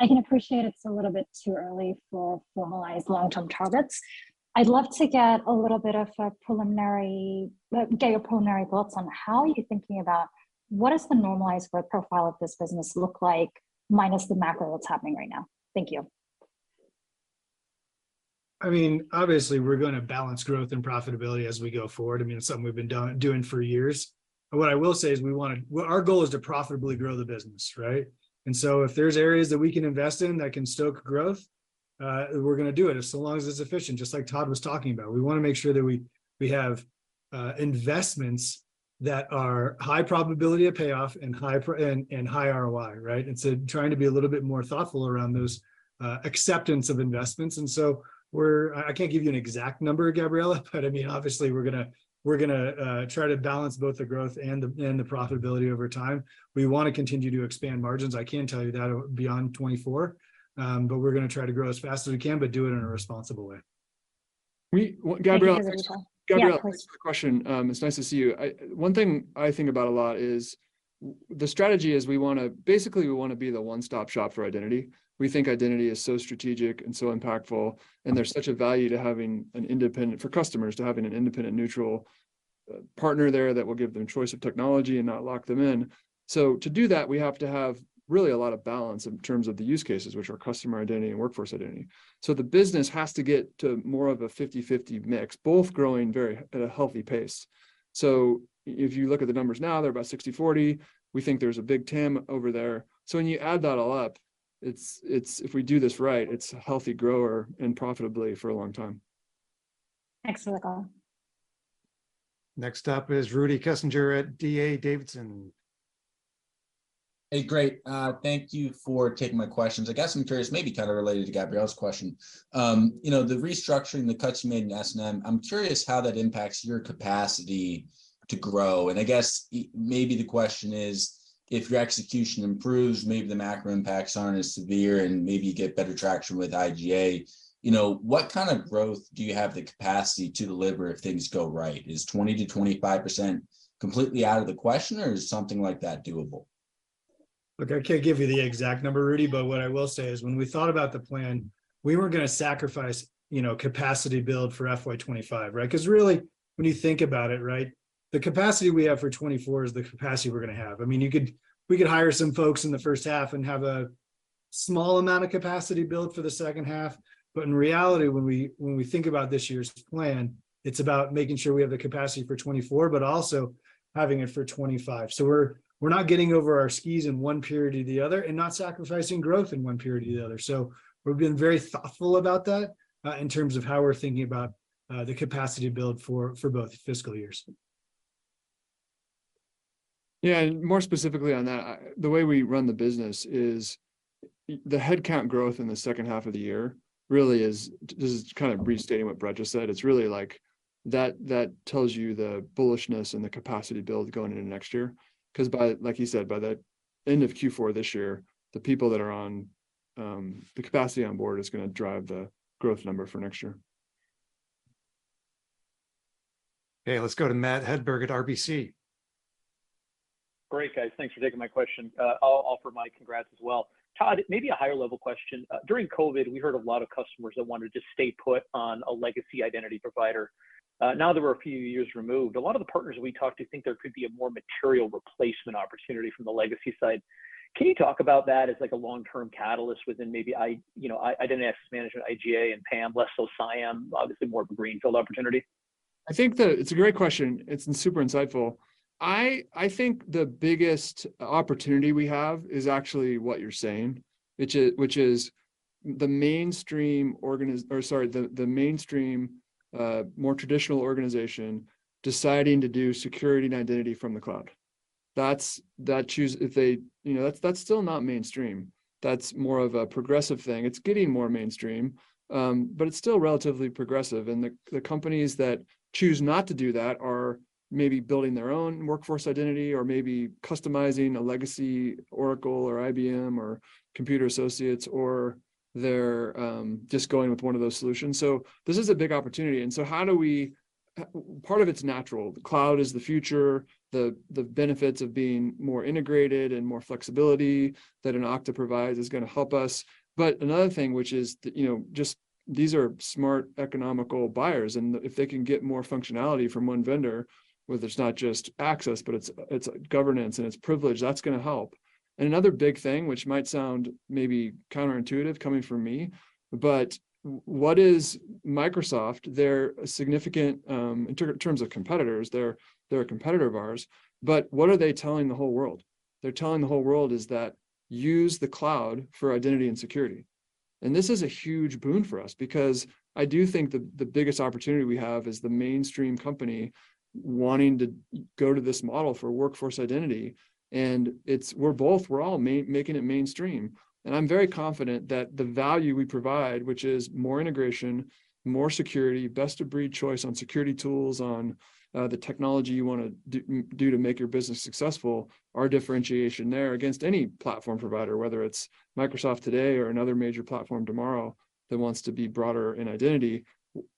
I can appreciate it's a little bit too early for formalized long-term targets. I'd love to get your preliminary thoughts on how you're thinking about what does the normalized work profile of this business look like minus the macro of what's happening right now. Thank you. I mean, obviously, we're gonna balance growth and profitability as we go forward. I mean, it's something we've been doing for years. What I will say is our goal is to profitably grow the business, right? If there's areas that we can invest in that can stoke growth, we're gonna do it so long as it's efficient, just like Todd was talking about. We wanna make sure that we have investments that are high probability of payoff and high ROI, right? Trying to be a little bit more thoughtful around those acceptance of investments. I can't give you an exact number, Gabriela, but I mean, obviously, we're gonna try to balance both the growth and the profitability over time. We wanna continue to expand margins, I can tell you that, beyond 2024. We're gonna try to grow as fast as we can, but do it in a responsible way. Thank you for the detail. Yeah, of course. Gabriela, quick question. It's nice to see you. One thing I think about a lot is the strategy is we wanna... Basically, we wanna be the one-stop shop for identity. We think identity is so strategic and so impactful, and there's such a value to having an independent, for customers, to having an independent neutral partner there that will give them choice of technology and not lock them in. To do that, we have to have really a lot of balance in terms of the use cases, which are Customer Identity and Workforce Identity. The business has to get to more of a 50/50 mix, both growing very, at a healthy pace. If you look at the numbers now, they're about 60/40. We think there's a big TAM over there. When you add that all up, it's if we do this right, it's a healthy grower and profitably for a long time. Excellent. Next up is Rudy Kessinger at D.A. Davidson. Hey, great. Thank you for taking my questions. I guess I'm curious, maybe kind of related to Gabriela's question, you know, the restructuring, the cuts you made in S&M, I'm curious how that impacts your capacity to grow. I guess maybe the question is, if your execution improves, maybe the macro impacts aren't as severe, and maybe you get better traction with IGA, you know, what kind of growth do you have the capacity to deliver if things go right? Is 20%-25% completely out of the question, or is something like that doable? Look, I can't give you the exact number, Rudy, but what I will say is when we thought about the plan, we weren't gonna sacrifice, you know, capacity build for FY 2025, right? Really, when you think about it, right, the capacity we have for 2024 is the capacity we're gonna have. I mean, you could, we could hire some folks in the first half and have a small amount of capacity build for the second half, but in reality, when we, when we think about this year's plan, it's about making sure we have the capacity for 2024, but also having it for 2025. We're, we're not getting over our skis in one period to the other and not sacrificing growth in one period to the other. We've been very thoughtful about that, in terms of how we're thinking about the capacity build for both fiscal years. More specifically on that, the way we run the business is the headcount growth in the second half of the year really is, this is kind of restating what Brett just said, it's really like that tells you the bullishness and the capacity build going into next year, 'cause by, like he said, by the end of Q4 this year, the people that are on, the capacity on board is gonna drive the growth number for next year. Okay, let's go to Matt Hedberg at RBC. Great, guys. Thanks for taking my question. I'll offer my congrats as well. Todd, maybe a higher level question. During COVID, we heard a lot of customers that wanted to stay put on a legacy identity provider. Now that we're a few years removed, a lot of the partners we talked to think there could be a more material replacement opportunity from the legacy side. Can you talk about that as like a long-term catalyst within maybe I, you know, identity and access management, IGA and PAM, less so CIAM, obviously more of a greenfield opportunity? I think that it's a great question. It's super insightful. I think the biggest opportunity we have is actually what you're saying, which is the mainstream or sorry, the mainstream, more traditional organization deciding to do security and identity from the cloud. That's if they... You know, that's still not mainstream. That's more of a progressive thing. It's getting more mainstream, but it's still relatively progressive, and the companies that choose not to do that are maybe building their own Workforce Identity or maybe customizing a legacy Oracle or IBM or Computer Associates, or they're just going with one of those solutions. This is a big opportunity, and so how do we... Part of it's natural. The cloud is the future. The benefits of being more integrated and more flexibility that an Okta provides is gonna help us. Another thing, which is, you know, just these are smart economical buyers, and if they can get more functionality from one vendor, whether it's not just access, but it's governance and it's privilege, that's gonna help. Another big thing, which might sound maybe counterintuitive coming from me, but what is Microsoft, they're a significant in terms of competitors, they're a competitor of ours, but what are they telling the whole world? They're telling the whole world is that use the cloud for identity and security. This is a huge boon for us because I do think that the biggest opportunity we have is the mainstream company wanting to go to this model for Workforce Identity, and it's, we're both, we're all making it mainstream. I'm very confident that the value we provide, which is more integration, more security, best of breed choice on security tools, on the technology you wanna do to make your business successful, our differentiation there against any platform provider, whether it's Microsoft today or another major platform tomorrow that wants to be broader in identity,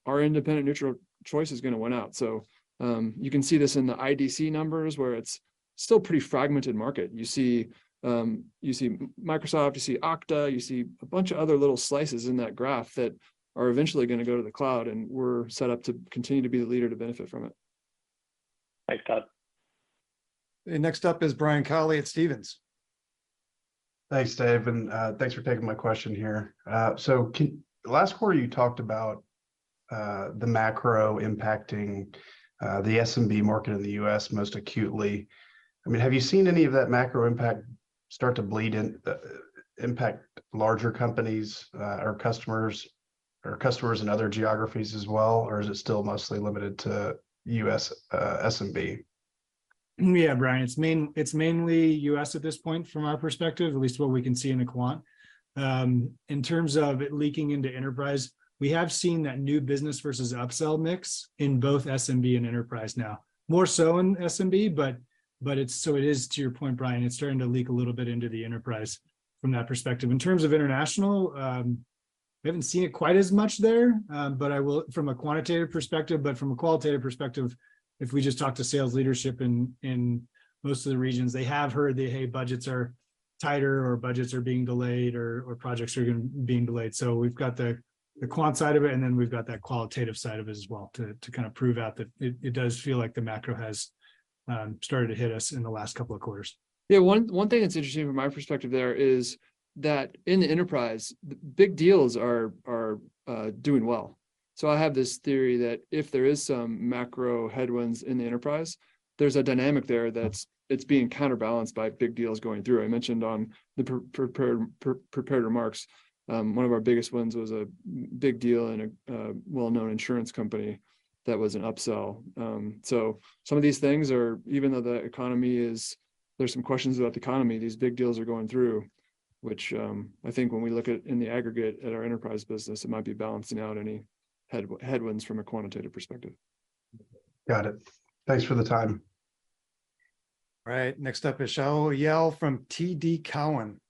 our independent neutral choice is gonna win out. You can see this in the IDC numbers where it's still pretty fragmented market. You see Microsoft, you see Okta, you see a bunch of other little slices in that graph that are eventually gonna go to the cloud, and we're set up to continue to be the leader to benefit from it. Thanks, Todd. Next up is Brian Colley at Stephens. Thanks, Dave, and thanks for taking my question here. Last quarter, you talked about the macro impacting the SMB market in the U.S. most acutely. I mean, have you seen any of that macro impact start to bleed in, impact larger companies, or customers, or customers in other geographies as well, or is it still mostly limited to U.S., SMB? Yeah, Brian, it's mainly U.S. at this point from our perspective, at least what we can see in the quant. In terms of it leaking into enterprise, we have seen that new business versus upsell mix in both SMB and enterprise now. More so in SMB, but it is, to your point, Brian, it's starting to leak a little bit into the enterprise from that perspective. In terms of international, we haven't seen it quite as much there, from a quantitative perspective. From a qualitative perspective, if we just talk to sales leadership in most of the regions, they have heard that, "Hey, budgets are tighter," or budgets are being delayed, or projects are being delayed. We've got the quant side of it, and then we've got that qualitative side of it as well to kind of prove out that it does feel like the macro has started to hit us in the last couple of quarters. Yeah. One thing that's interesting from my perspective there is that in the enterprise, big deals are doing well. I have this theory that if there is some macro headwinds in the enterprise, there's a dynamic there that's, it's being counterbalanced by big deals going through. I mentioned on the pre-prepared remarks, one of our biggest wins was a big deal in a well-known insurance company that was an upsell. So some of these things are, even though the economy is, there's some questions about the economy, these big deals are going through, which, I think when we look at in the aggregate at our enterprise business, it might be balancing out any headwinds from a quantitative perspective. Got it. Thanks for the time. All right. Next up is Shaul Eyal from TD Cowen.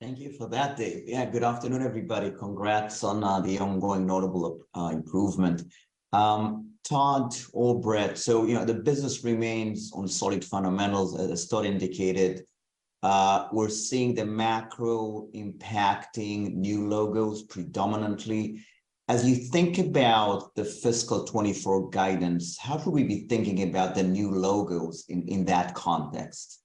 Thank you for that, Dave. Good afternoon, everybody. Congrats on the ongoing notable improvement. Todd or Brett, you know, the business remains on solid fundamentals, as Todd indicated. We're seeing the macro impacting new logos predominantly. As you think about the fiscal 2024 guidance, how should we be thinking about the new logos in that context?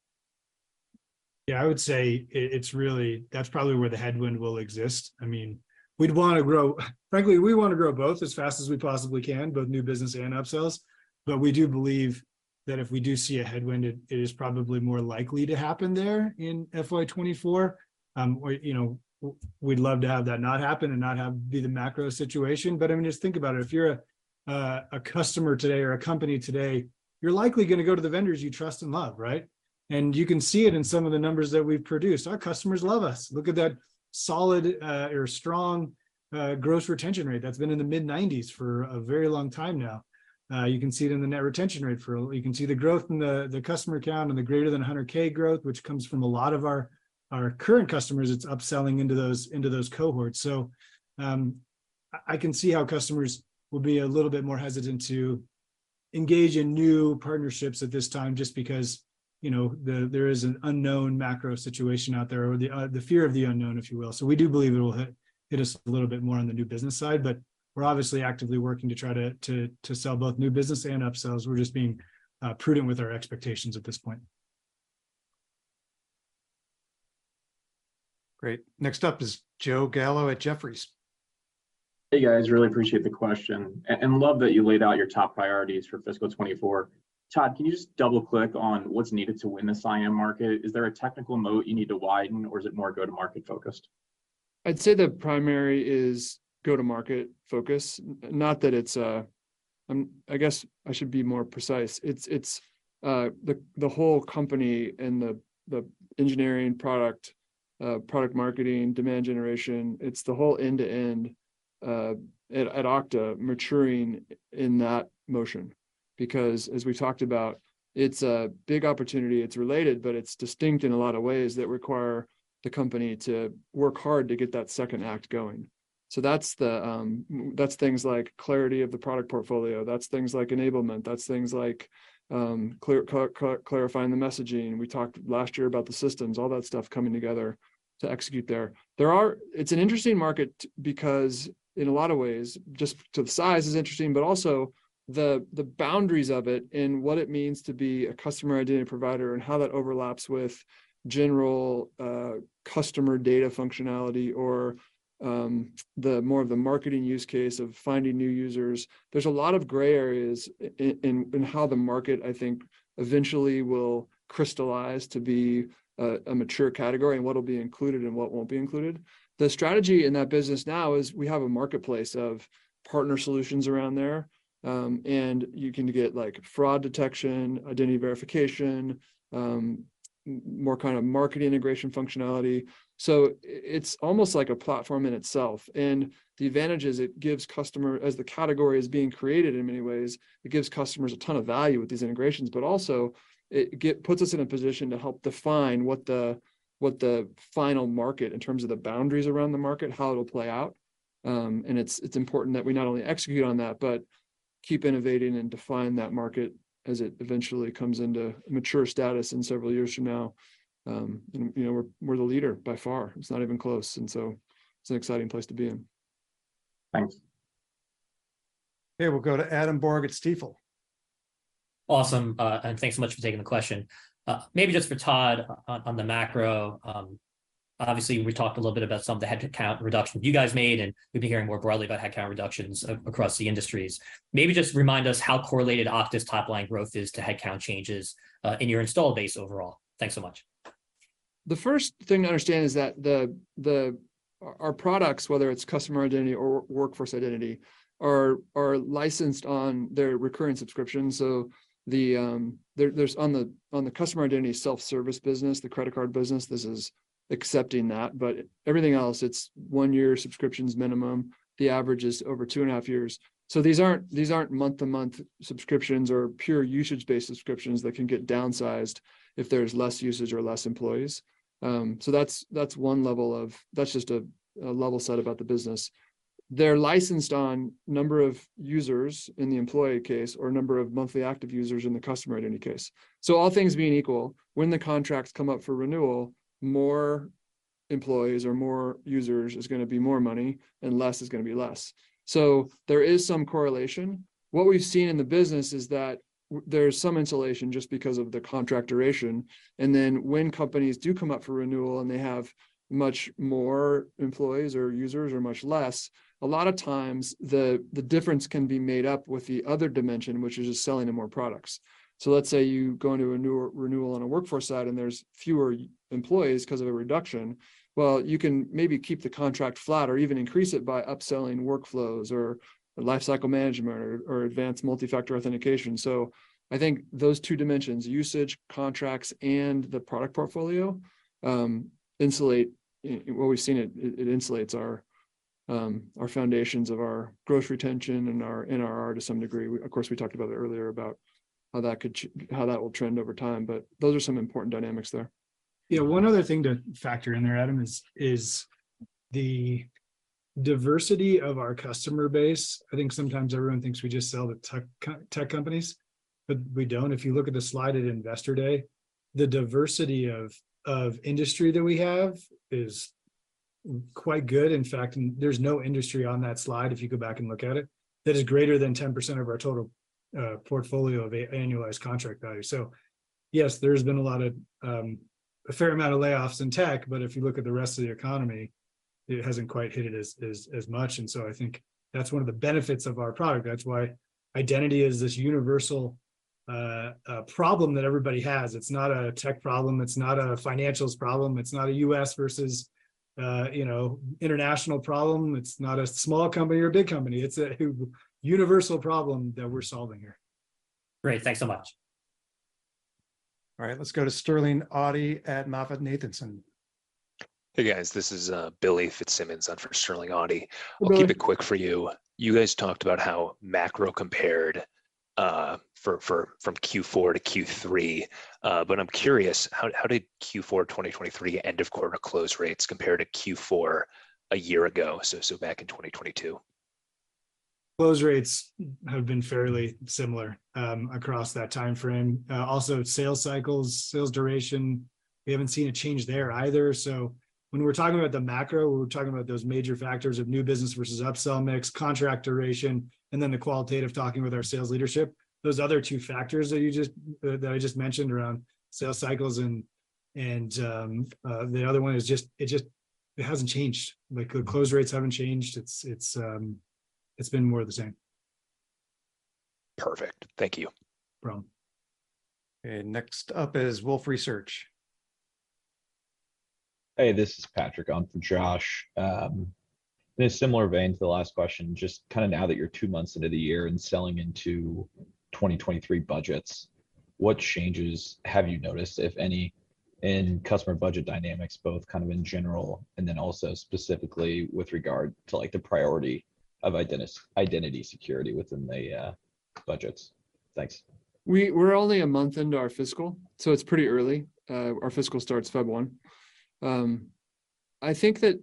I would say it's really, that's probably where the headwind will exist. I mean, frankly, we wanna grow both as fast as we possibly can, both new business and upsells. We do believe that if we do see a headwind, it is probably more likely to happen there in FY 2024. You know, we'd love to have that not happen and not be the macro situation. I mean, just think about it. If you're a customer today or a company today, you're likely gonna go to the vendors you trust and love, right? You can see it in some of the numbers that we've produced. Our customers love us. Look at that solid or strong gross retention rate. That's been in the mid-90s for a very long time now. You can see it in the net retention rate. You can see the growth in the customer count and the greater than 100K growth, which comes from a lot of our current customers. It's upselling into those, into those cohorts. I can see how customers will be a little bit more hesitant to engage in new partnerships at this time just because, you know, there is an unknown macro situation out there or the fear of the unknown, if you will. We do believe it will hit us a little bit more on the new business side, but we're obviously actively working to try to sell both new business and upsells. We're just being prudent with our expectations at this point. Great. Next up is Joseph Gallo at Jefferies. Hey, guys. Really appreciate the question and love that you laid out your top priorities for fiscal 2024. Todd, can you just double-click on what's needed to win the CIAM market? Is there a technical moat you need to widen or is it more go-to-market focused? I'd say the primary is go-to-market focus. Not that it's a... I guess I should be more precise. It's, it's the whole company and the engineering product marketing, demand generation, it's the whole end-to-end, at Okta maturing in that motion. Because, as we talked about, it's a big opportunity. It's related, but it's distinct in a lot of ways that require the company to work hard to get that second act going. So that's the, that's things like clarity of the product portfolio. That's things like enablement. That's things like, clarifying the messaging. We talked last year about the systems, all that stuff coming together to execute there. There are... It's an interesting market because in a lot of ways, just to the size is interesting, but also the boundaries of it and what it means to be a Customer Identity provider and how that overlaps with general customer data functionality or the more of the marketing use case of finding new users. There's a lot of gray areas in how the market, I think, eventually will crystallize to be a mature category, and what will be included and what won't be included. The strategy in that business now is we have a marketplace of partner solutions around there, and you can get like fraud detection, identity verification, more kind of market integration functionality. It's almost like a platform in itself, and the advantage is it gives customer as the category is being created in many ways, it gives customers a ton of value with these integrations. Also puts us in a position to help define what the final market in terms of the boundaries around the market, how it'll play out. It's important that we not only execute on that, but keep innovating and define that market as it eventually comes into mature status in several years from now. You know, we're the leader by far. It's not even close, it's an exciting place to be in. Thanks. Okay, we'll go to Adam Borg at Stifel. Awesome, and thanks so much for taking the question. Maybe just for Todd on the macro, obviously we talked a little bit about some of the headcount reduction you guys made, and we've been hearing more broadly about headcount reductions across the industries. Maybe just remind us how correlated Okta's top line growth is to headcount changes in your installed base overall. Thanks so much. The first thing to understand is that our products, whether it's Customer Identity or Workforce Identity, are licensed on their recurring subscription. There's on the Customer Identity self-service business, the credit card business, this is accepting that, but everything else, it's one-year subscriptions minimum. The average is over 2.5 years. These aren't month-to-month subscriptions or pure usage-based subscriptions that can get downsized if there's less usage or less employees. That's one level. That's just a level set about the business. They're licensed on number of users in the employee case, or number of monthly active users in the Customer Identity case. All things being equal, when the contracts come up for renewal, more employees or more users is gonna be more money, and less is gonna be less. There is some correlation. What we've seen in the business is that there's some insulation just because of the contract duration, and then when companies do come up for renewal and they have much more employees or users or much less, a lot of times the difference can be made up with the other dimension, which is just selling them more products. Let's say you go into a new renewal on a workforce side, and there's fewer employees 'cause of a reduction. Well, you can maybe keep the contract flat or even increase it by upselling workflows or lifecycle management or advanced multi-factor authentication. I think those two dimensions, usage contracts and the product portfolio, what we've seen it insulates our foundations of our gross retention and our NRR to some degree. We, of course, talked about that earlier about how that will trend over time, but those are some important dynamics there. Yeah. One other thing to factor in there, Adam, is the diversity of our customer base. I think sometimes everyone thinks we just sell to tech companies, but we don't. If you look at the slide at Investor Day, the diversity of industry that we have is quite good, in fact, and there's no industry on that slide, if you go back and look at it, that is greater than 10% of our total portfolio of annualized contract value. Yes, there's been a lot of a fair amount of layoffs in tech, but if you look at the rest of the economy, it hasn't quite hit it as much. I think that's one of the benefits of our product. That's why identity is this universal problem that everybody has. It's not a tech problem. It's not a financials problem. It's not a U.S. versus, you know, international problem. It's not a small company or big company. It's a universal problem that we're solving here. Great. Thanks so much. All right. Let's go to Sterling Auty at MoffettNathanson. Hey, guys. This is Billy Fitzsimmons in for Sterling Auty. Hello. We'll keep it quick for you. You guys talked about how macro compared, from Q4 to Q3. I'm curious, how did Q4 2023 end of quarter close rates compare to Q4 a year ago, so back in 2022? Close rates have been fairly similar across that timeframe. Also sales cycles, sales duration, we haven't seen a change there either. When we're talking about the macro, we're talking about those major factors of new business versus upsell mix, contract duration, and then the qualitative talking with our sales leadership. Those other two factors that you just that I just mentioned around sales cycles and the other one is, it hasn't changed. Like the close rates haven't changed. It's been more the same. Perfect, thank you. No problem. Next up is Wolfe Research. Hey, this is Patrick on for Josh. In a similar vein to the last question, just kind of now that you're two months into the year and selling into 2023 budgets, what changes have you noticed, if any, in customer budget dynamics, both kind of in general and then also specifically with regard to like the priority of identity security within the budgets? Thanks. We're only a month into our fiscal, so it's pretty early. Our fiscal starts February 1st. I think that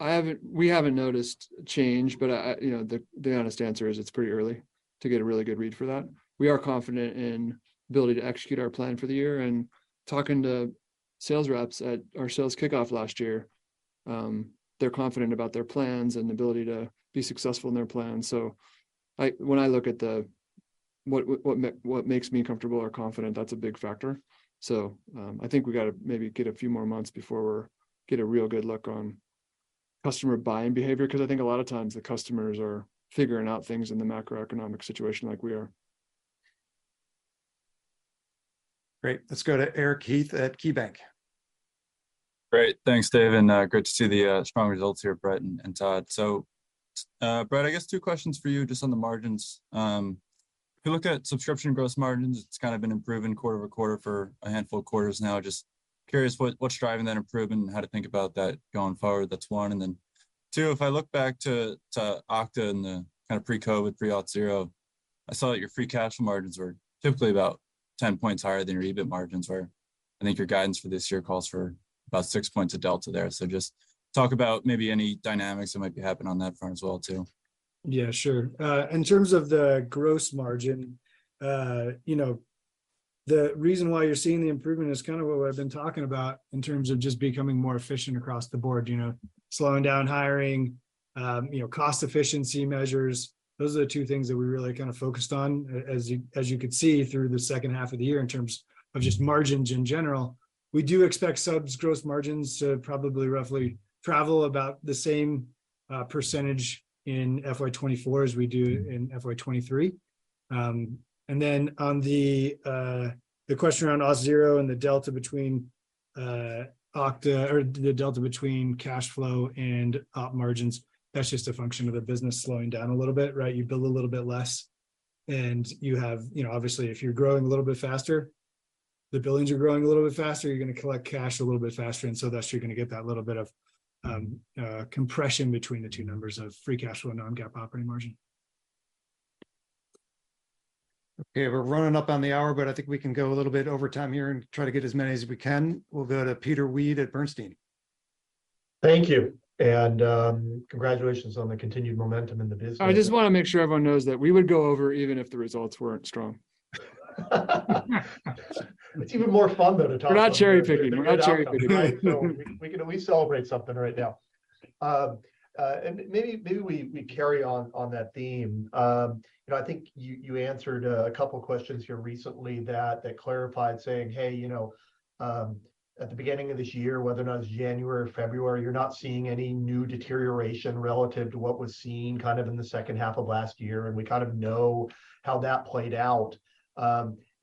I haven't, we haven't noticed change, but I, you know, the honest answer is it's pretty early to get a really good read for that. We are confident in ability to execute our plan for the year, and talking to sales reps at our sales kickoff last year, they're confident about their plans and ability to be successful in their plans. I, when I look at what makes me comfortable or confident, that's a big factor. I think we gotta maybe get a few more months before we get a real good look on customer buying behavior, 'cause I think a lot of times the customers are figuring out things in the macroeconomic situation like we are. Great. Let's go to Eric Heath at KeyBanc. Great. Thanks, Dave, great to see the strong results here, Brett and Todd. Brett, I guess two questions for you just on the margins. If you look at subscription gross margins, it's kind of been improving quarter-over-quarter for a handful of quarters now. Just curious what's driving that improvement and how to think about that going forward. That's one. Two, if I look back to Okta in the kind of pre-COVID, pre-Auth0, I saw that your free cash flow margins were typically about 10 points higher than your EBIT margins were. I think your guidance for this year calls for about 6 points of delta there. Just talk about maybe any dynamics that might be happening on that front as well too. Yeah, sure. In terms of the gross margin, you know, the reason why you're seeing the improvement is kind of what I've been talking about in terms of just becoming more efficient across the board. You know, slowing down hiring, you know, cost efficiency measures. Those are the two things that we really kind of focused on as you could see through the second half of the year in terms of just margins in general. We do expect subs gross margins to probably roughly travel about the same percentage in FY 2024 as we do in FY 2023. Then on the question around Auth0 and the delta between Okta or the delta between cash flow and op margins, that's just a function of the business slowing down a little bit, right? You bill a little bit less. You know, obviously, if you're growing a little bit faster, the billings are growing a little bit faster, you're gonna collect cash a little bit faster. Thus you're gonna get that little bit of compression between the two numbers of free cash flow and non-GAAP operating margin. Okay, we're running up on the hour, but I think we can go a little bit over time here and try to get as many as we can. We'll go to Peter Weed at Bernstein. Thank you. Congratulations on the continued momentum in the business. I just wanna make sure everyone knows that we would go over even if the results weren't strong. We're not cherry-picking. It's even more fun, though, to talk about outcomes, right? We can at least celebrate something right now. Maybe we carry on that theme. You know, I think you answered a couple of questions here recently that clarified saying, hey, you know, at the beginning of this year, whether or not it's January or February, you're not seeing any new deterioration relative to what was seen kind of in the second half of last year, and we kind of know how that played out.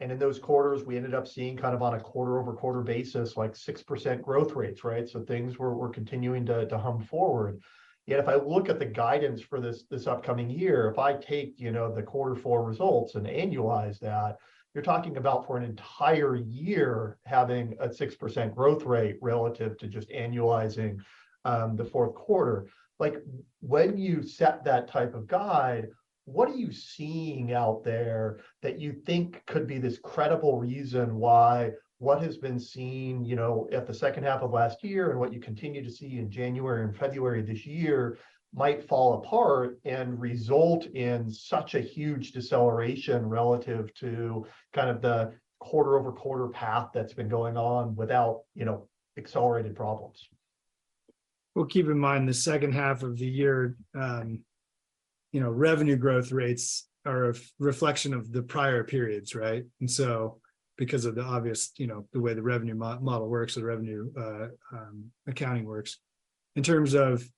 In those quarters, we ended up seeing kind of on a quarter-over-quarter basis, like 6% growth rates, right? Things were continuing to hum forward. Yet, if I look at the guidance for this upcoming year, if I take, you know, the quarter four results and annualize that, you're talking about for an entire year having a 6% growth rate relative to just annualizing the fourth quarter. Like, when you set that type of guide, what are you seeing out there that you think could be this credible reason why what has been seen, you know, at the second half of last year and what you continue to see in January and February this year might fall apart and result in such a huge deceleration relative to kind of the quarter-over-quarter path that's been going on without, you know, accelerated problems? Well, keep in mind, the second half of the year, you know, revenue growth rates are a reflection of the prior periods, right? Because of the obvious, you know, the way the revenue model works or the revenue accounting works. In terms of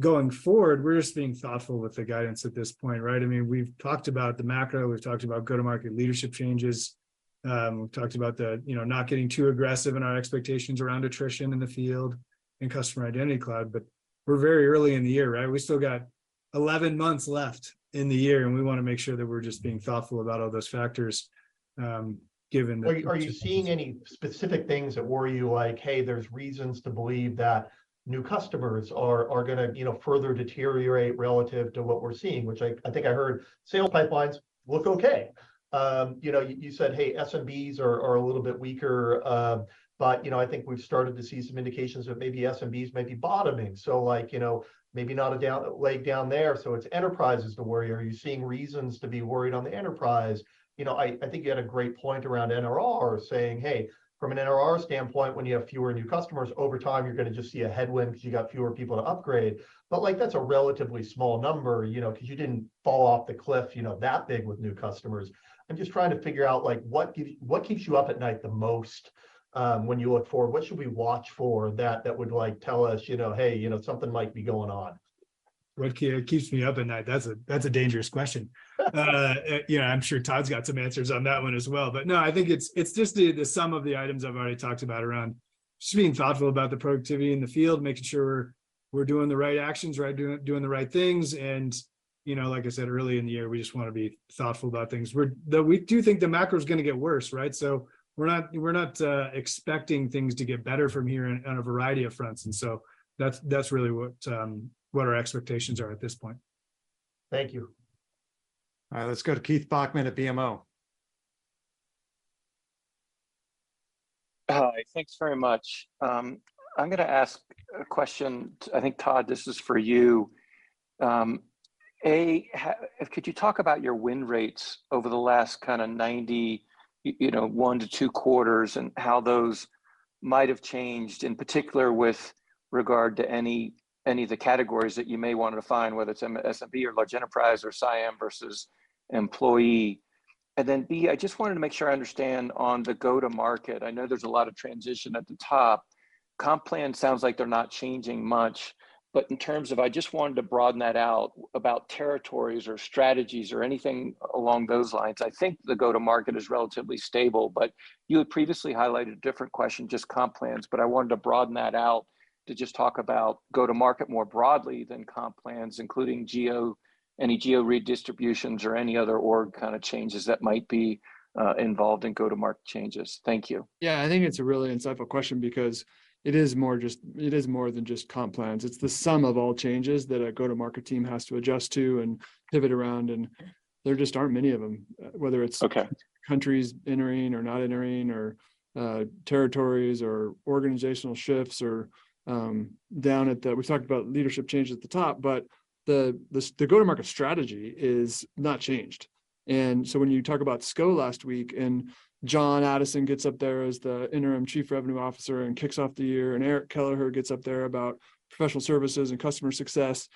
going forward, we're just being thoughtful with the guidance at this point, right? I mean, we've talked about the macro, we've talked about go-to-market leadership changes. We've talked about the, you know, not getting too aggressive in our expectations around attrition in the field and Customer Identity Cloud. We're very early in the year, right? We still got 11 months left in the year, and we wanna make sure that we're just being thoughtful about all those factors, given the. Are you seeing any specific things that worry you, like, hey, there's reasons to believe that new customers are gonna, you know, further deteriorate relative to what we're seeing? I think I heard sales pipelines look okay. You know, you said, "Hey, SMBs are a little bit weaker," you know, I think we've started to see some indications that maybe SMBs may be bottoming. Like, you know, maybe not a leg down there, it's enterprises to worry. Are you seeing reasons to be worried on the enterprise? You know, I think you had a great point around NRR saying, "Hey, from an NRR standpoint, when you have fewer new customers, over time, you're gonna just see a headwind 'cause you got fewer people to upgrade." Like, that's a relatively small number, you know, 'cause you didn't fall off the cliff, you know, that big with new customers. I'm just trying to figure out, like, what keeps you up at night the most, when you look forward? What should we watch for that would, like, tell us, you know, hey, you know, something might be going on? What keeps me up at night? That's a dangerous question. You know, I'm sure Todd's got some answers on that one as well. No, I think it's just the sum of the items I've already talked about around just being thoughtful about the productivity in the field, making sure we're doing the right actions, right, doing the right things. You know, like I said, early in the year, we just wanna be thoughtful about things. We do think the macro's gonna get worse, right? We're not expecting things to get better from here on a variety of fronts. That's really what our expectations are at this point. Thank you. All right, let's go to Keith Bachman at BMO. Hi. Thanks very much. I'm gonna ask a question, I think, Todd, this is for you. A, could you talk about your win rates over the last kinda 90%, you know, 1-2 quarters and how those might have changed, in particular with regard to any of the categories that you may wanna define, whether it's SMB or large enterprise or CIAM versus employee. B, I just wanted to make sure I understand on the go-to-market, I know there's a lot of transition at the top. Comp plan sounds like they're not changing much, but I just wanted to broaden that out about territories or strategies or anything along those lines. I think the go-to-market is relatively stable, but you had previously highlighted a different question, just comp plans, but I wanted to broaden that out to just talk about go-to-market more broadly than comp plans, including geo- any geo redistributions or any other org kind of changes that might be involved in go-to-market changes. Thank you. Yeah. I think it's a really insightful question because it is more than just comp plans. It's the sum of all changes that a go-to-market team has to adjust to and pivot around, and there just aren't many of them, whether it's countries entering or not entering, or territories or organizational shifts or down at the. We talked about leadership changes at the top, but the go-to-market strategy is not changed. When you talk about SKO last week, Jon Addison gets up there as the interim Chief Revenue Officer and kicks off the year, and Eric Kelleher gets up there about professional services and customer success,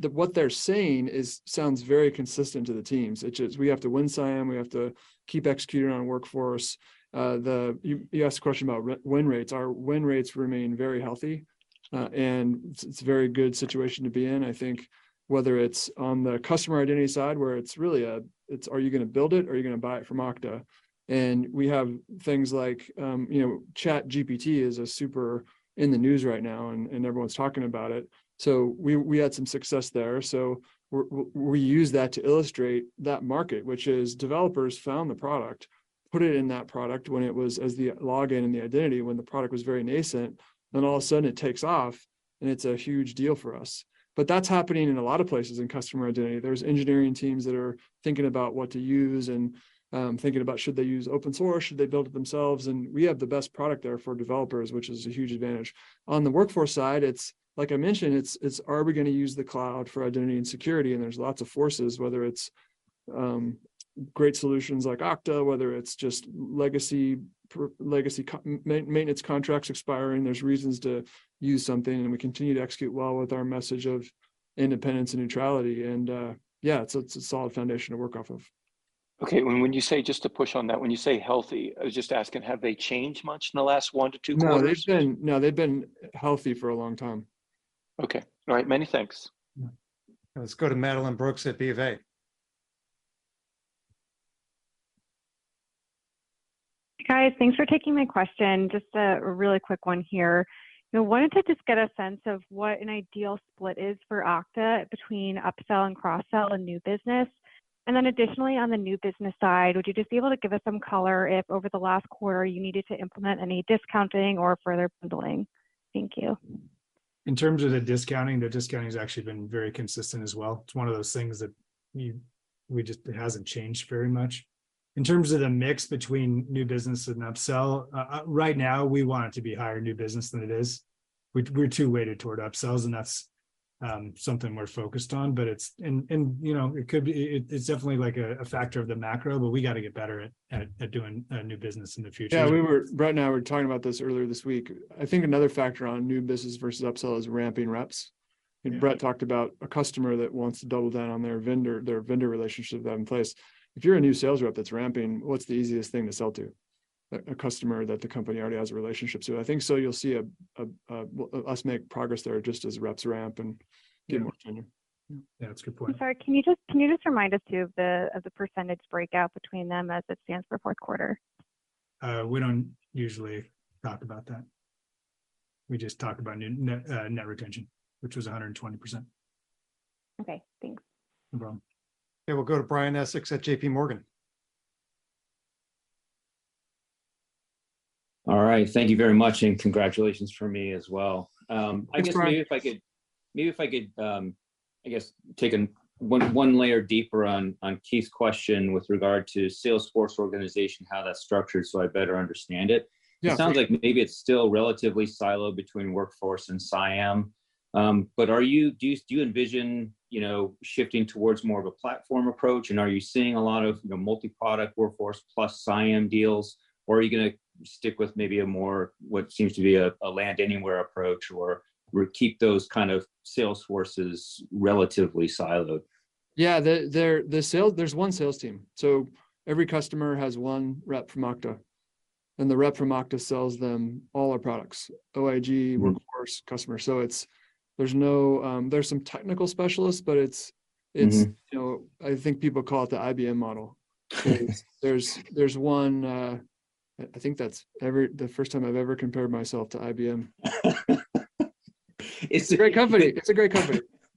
what they're saying is sounds very consistent to the teams, which is we have to win CIAM, we have to keep executing on Workforce. You asked a question about win rates. Our win rates remain very healthy, and it's a very good situation to be in. I think whether it's on the Customer Identity side, where it's really it's are you gonna build it or are you gonna buy it from Okta? We have things like, you know, ChatGPT is in the news right now and everyone's talking about it. We, we had some success there, so we're, we use that to illustrate that market, which is developers found the product, put it in that product when it was as the login and the identity when the product was very nascent, then all of a sudden it takes off, and it's a huge deal for us. That's happening in a lot of places in Customer Identity. There's engineering teams that are thinking about what to use and thinking about should they use open source, should they build it themselves? We have the best product there for developers, which is a huge advantage. On the workforce side, it's, like I mentioned, it's are we gonna use the cloud for identity and security? There's lots of forces, whether it's great solutions like Okta, whether it's just legacy maintenance contracts expiring, there's reasons to use something, and we continue to execute well with our message of independence and neutrality, yeah, it's a solid foundation to work off of. Okay. When you say, just to push on that, when you say healthy, I was just asking have they changed much in the last 1-2 quarters? No, they've been healthy for a long time. Okay. All right. Many thanks. Let's go to Madeline Brooks at BofA. Hi, guys. Thanks for taking my question. Just a really quick one here. You know, wanted to just get a sense of what an ideal split is for Okta between upsell and cross-sell and new business. Additionally, on the new business side, would you just be able to give us some color if over the last quarter you needed to implement any discounting or further bundling? Thank you. In terms of the discounting, the discounting has actually been very consistent as well. It's one of those things that it hasn't changed very much. In terms of the mix between new business and upsell, right now, we want it to be higher new business than it is. We're too weighted toward upsells, and that's something we're focused on. You know, it's definitely like a factor of the macro, but we gotta get better at doing new business in the future. Brett and I were talking about this earlier this week. I think another factor on new business versus upsell is ramping reps. Yeah. Brett talked about a customer that wants to double down on their vendor, their vendor relationship they have in place. If you're a new sales rep that's ramping, what's the easiest thing to sell to? A customer that the company already has a relationship to. I think so you'll see well, us make progress there just as reps ramp and get more tenure. Yeah. That's a good point. I'm sorry, can you just remind us two of the percentage breakout between them as it stands for fourth quarter? We don't usually talk about that. We just talk about new, net retention, which was 120%. Okay. Thanks. No problem. Okay. We'll go to Brian Essex at JPMorgan. All right. Thank you very much, and congratulations from me as well. Thanks, Brian. Maybe if I could, I guess take an one layer deeper on Keith's question with regard to Salesforce organization, how that's structured so I better understand it. Yeah. It sounds like maybe it's still relatively siloed between Workforce and CIAM. Do you envision, you know, shifting towards more of a platform approach, and are you seeing a lot of, you know, multi-product Workforce plus CIAM deals, or are you gonna stick with maybe a more, what seems to be a land anywhere approach or keep those kind of Salesforces relatively siloed? Yeah. There's one sales team, so every customer has one rep from Okta, and the rep from Okta sells them all our products, OIG, Workforce customer. There's some technical specialists, but it's, you know, I think people call it the IBM model. There's one. I think that's the first time I've ever compared myself to IBM. It's a great company.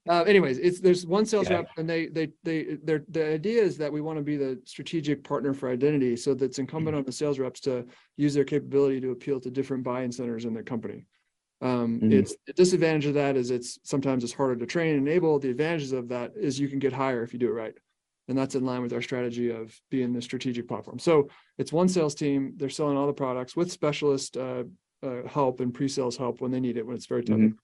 Anyways, there's one sales rep, their idea is that we wanna be the strategic partner for identity, so that's incumbent on the sales reps to use their capability to appeal to different buying centers in their company. It's a disadvantage of that is it's sometimes harder to train and enable. The advantages of that is you can get higher if you do it right, and that's in line with our strategy of being the strategic platform. It's one sales team. They're selling all the products with specialist help and pre-sales help when they need it, when it's very technical.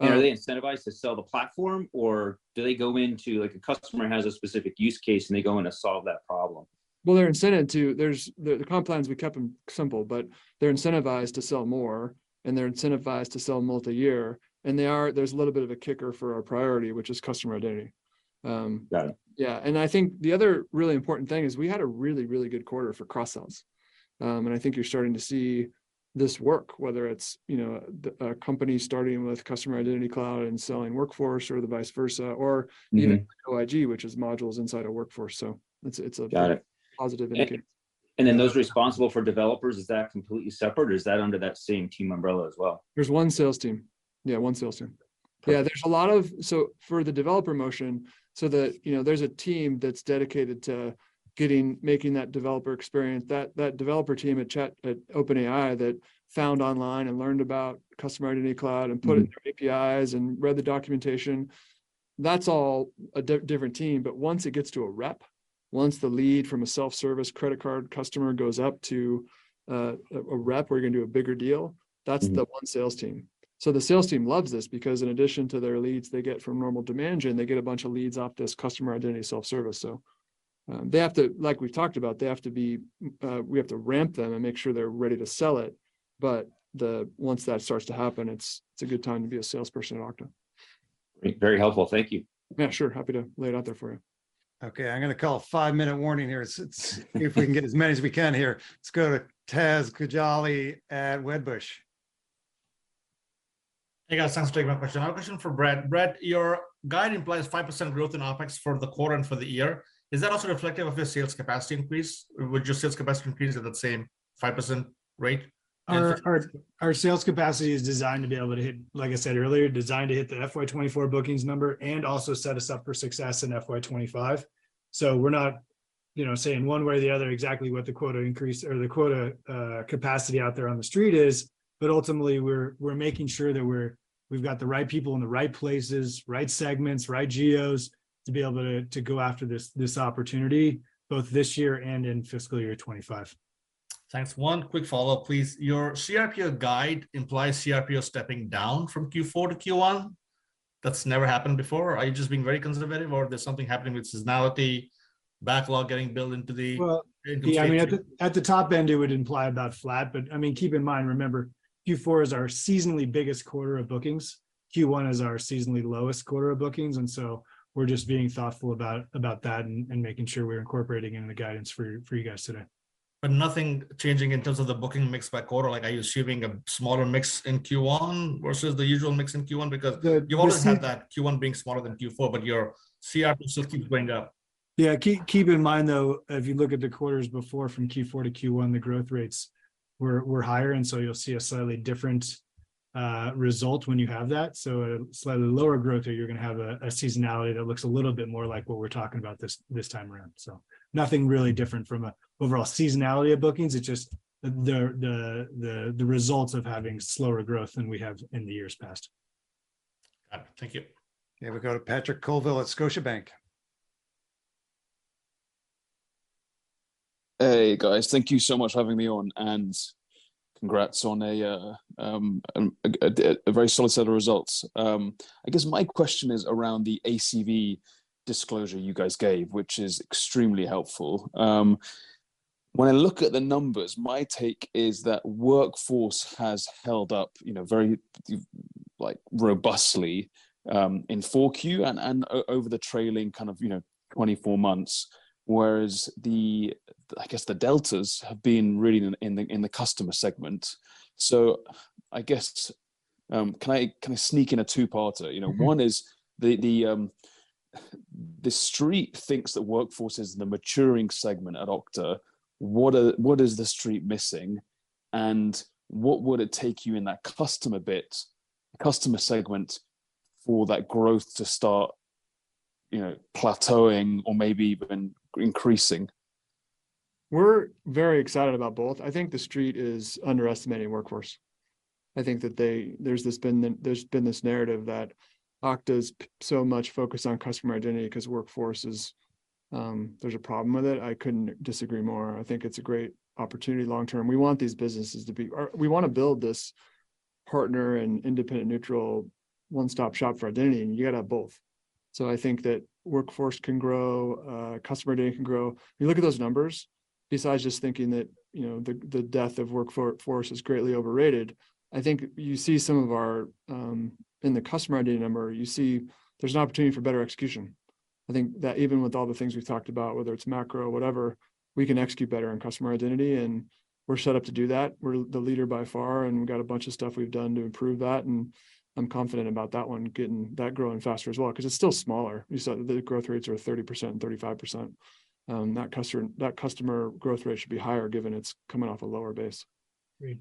Are they incentivized to sell the platform or do they go into, like a customer has a specific use case, and they go in to solve that problem? The comp plans, we kept them simple, but they're incentivized to sell more, and they're incentivized to sell multi-year, there's a little bit of a kicker for our priority, which is Customer Identity. Got it. Yeah. I think the other really important thing is we had a really, really good quarter for cross-sales. I think you're starting to see this work, whether it's, you know, a company starting with Customer Identity Cloud and selling Workforce or the vice versa. Even OIG, which is modules inside a Workforce. It's a positive indicator. Those responsible for developers, is that completely separate or is that under that same team umbrella as well? There's one sales team. Yeah, one sales team. Okay. Yeah. There's a lot of. For the developer motion, so the, you know, there's a team that's dedicated to making that developer experience. That developer team at OpenAI that found online and learned about Customer Identity Cloud in their APIs and read the documentation, that's all a different team. Once it gets to a rep, once the lead from a self-service credit card customer goes up to a rep, we're gonna do a bigger deal. That's the one sales team. The sales team loves this because in addition to their leads they get from normal demand gen, they get a bunch of leads off this Customer Identity self-service. They have to, like we've talked about, they have to be, we have to ramp them and make sure they're ready to sell it. Once that starts to happen, it's a good time to be a salesperson at Okta. Very helpful. Thank you. Yeah, sure. Happy to lay it out there for you. Okay, I'm gonna call a five-minute warning here. It's if we can get as many as we can here. Let's go to Taz Koujalgi at Wedbush. Hey, guys. Thanks for taking my question. I have a question for Brett. Brett, your guide implies 5% growth in OpEx for the quarter and for the year. Is that also reflective of the sales capacity increase? Would your sales capacity increase at that same 5% rate? Our sales capacity is designed to be able to hit, like I said earlier, designed to hit the FY 2024 bookings number and also set us up for success in FY 2025. We're not, you know, saying one way or the other exactly what the quota increase or the quota capacity out there on the street is, but ultimately we're making sure that we've got the right people in the right places, right segments, right geos to be able to go after this opportunity, both this year and in fiscal year 2025. Thanks. One quick follow-up, please. Your cRPO guide implies cRPO stepping down from Q4 to Q1. That's never happened before. Are you just being very conservative or there's something happening with seasonality, backlog getting built into the integration? Yeah, I mean, at the top end, it would imply about flat. I mean, keep in mind, remember, Q4 is our seasonally biggest quarter of bookings. Q1 is our seasonally lowest quarter of bookings. We're just being thoughtful about that and making sure we're incorporating it in the guidance for you guys today. Nothing changing in terms of the booking mix by quarter? Like, are you assuming a smaller mix in Q1 versus the usual mix in Q1? You've always had that Q1 being smaller than Q4, but your cRPO still keeps going up. Yeah. Keep in mind, though, if you look at the quarters before from Q4 to Q1, the growth rates were higher, you'll see a slightly different result when you have that. A slightly lower growth rate, you're gonna have a seasonality that looks a little bit more like what we're talking about this time around. Nothing really different from a overall seasonality of bookings. It's just the results of having slower growth than we have in the years past. Got it. Thank you. Okay, we'll go to Patrick Colville at Scotiabank. Hey, guys. Thank you so much for having me on. Congrats on a very solid set of results. I guess my question is around the ACV disclosure you guys gave, which is extremely helpful. When I look at the numbers, my take is that Workforce has held up, you know, very, like, robustly in four Q and over the trailing kind of, you know, 24 months. Whereas the deltas have been really in the customer segment. I guess, can I sneak in a two-parter, you know? One is the Street thinks that Workforce is the maturing segment at Okta. What is the Street missing? What would it take you in that customer segment for that growth to start, you know, plateauing or maybe even increasing? We're very excited about both. I think the Street is underestimating Workforce. I think that there's been this narrative that Okta's so much focused on Customer Identity cause Workforce is, there's a problem with it. I couldn't disagree more. I think it's a great opportunity long term. We wanna build this partner and independent, neutral, one-stop shop for identity, and you gotta have both. I think that Workforce can grow, Customer Identity can grow. If you look at those numbers, besides just thinking that, you know, the death of Workforce is greatly overrated, I think you see some of our, in the Customer Identity number, you see there's an opportunity for better execution. I think that even with all the things we've talked about, whether it's macro, whatever, we can execute better on Customer Identity, we're set up to do that. We're the leader by far, we've got a bunch of stuff we've done to improve that, I'm confident about that growing faster as well, 'cause it's still smaller. You said the growth rates are 30%, 35%. That customer growth rate should be higher given it's coming off a lower base. Agreed.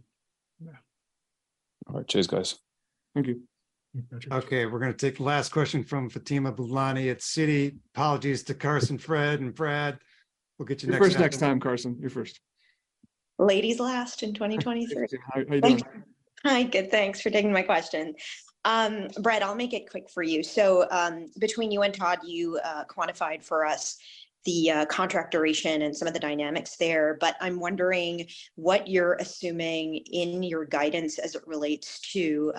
All right. Cheers, guys. Thank you. Okay, we're gonna take the last question from Fatima Boolani at Citi. Apologies to Carson, Fred, and Brad. We'll get you next time. You're first next time, Carson. You're first. Ladies last in 2023. How you doing? Hi. Good, thanks for taking my question. Brett, I'll make it quick for you. Between you and Todd, you quantified for us the contract duration and some of the dynamics there. I'm wondering what you're assuming in your guidance as it relates to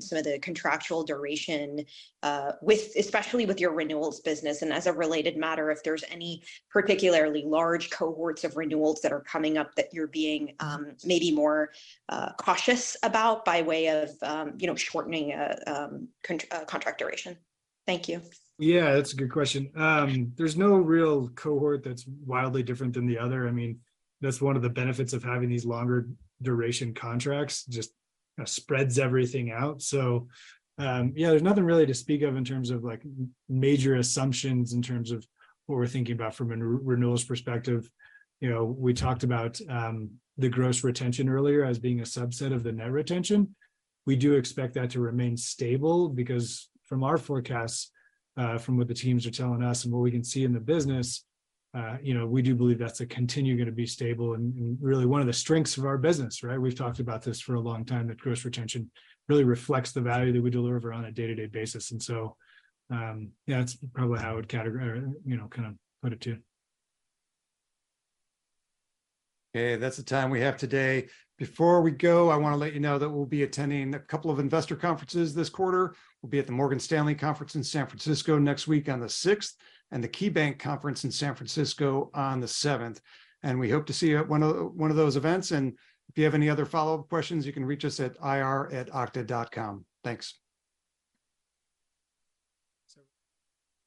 some of the contractual duration with, especially with your renewals business. As a related matter, if there's any particularly large cohorts of renewals that are coming up that you're being maybe more cautious about by way of, you know, shortening a contract duration. Thank you. That's a good question. There's no real cohort that's wildly different than the other. I mean, that's one of the benefits of having these longer duration contracts, just spreads everything out. There's nothing really to speak of in terms of like major assumptions in terms of what we're thinking about from a re-renewals perspective. You know, we talked about the gross retention earlier as being a subset of the net retention. We do expect that to remain stable because from our forecasts, from what the teams are telling us and what we can see in the business, you know, we do believe that's a continue gonna be stable and really one of the strengths of our business, right? We've talked about this for a long time, that gross retention really reflects the value that we deliver on a day-to-day basis. Yeah, that's probably how I'd categor- or, you know, kind of put it to. Okay, that's the time we have today. Before we go, I wanna let you know that we'll be attending a couple of investor conferences this quarter. We'll be at the Morgan Stanley Conference in San Francisco next week on the sixth, and the KeyBanc Conference in San Francisco on the seventh. We hope to see you at one of those events. If you have any other follow-up questions, you can reach us at ir@okta.com. Thanks.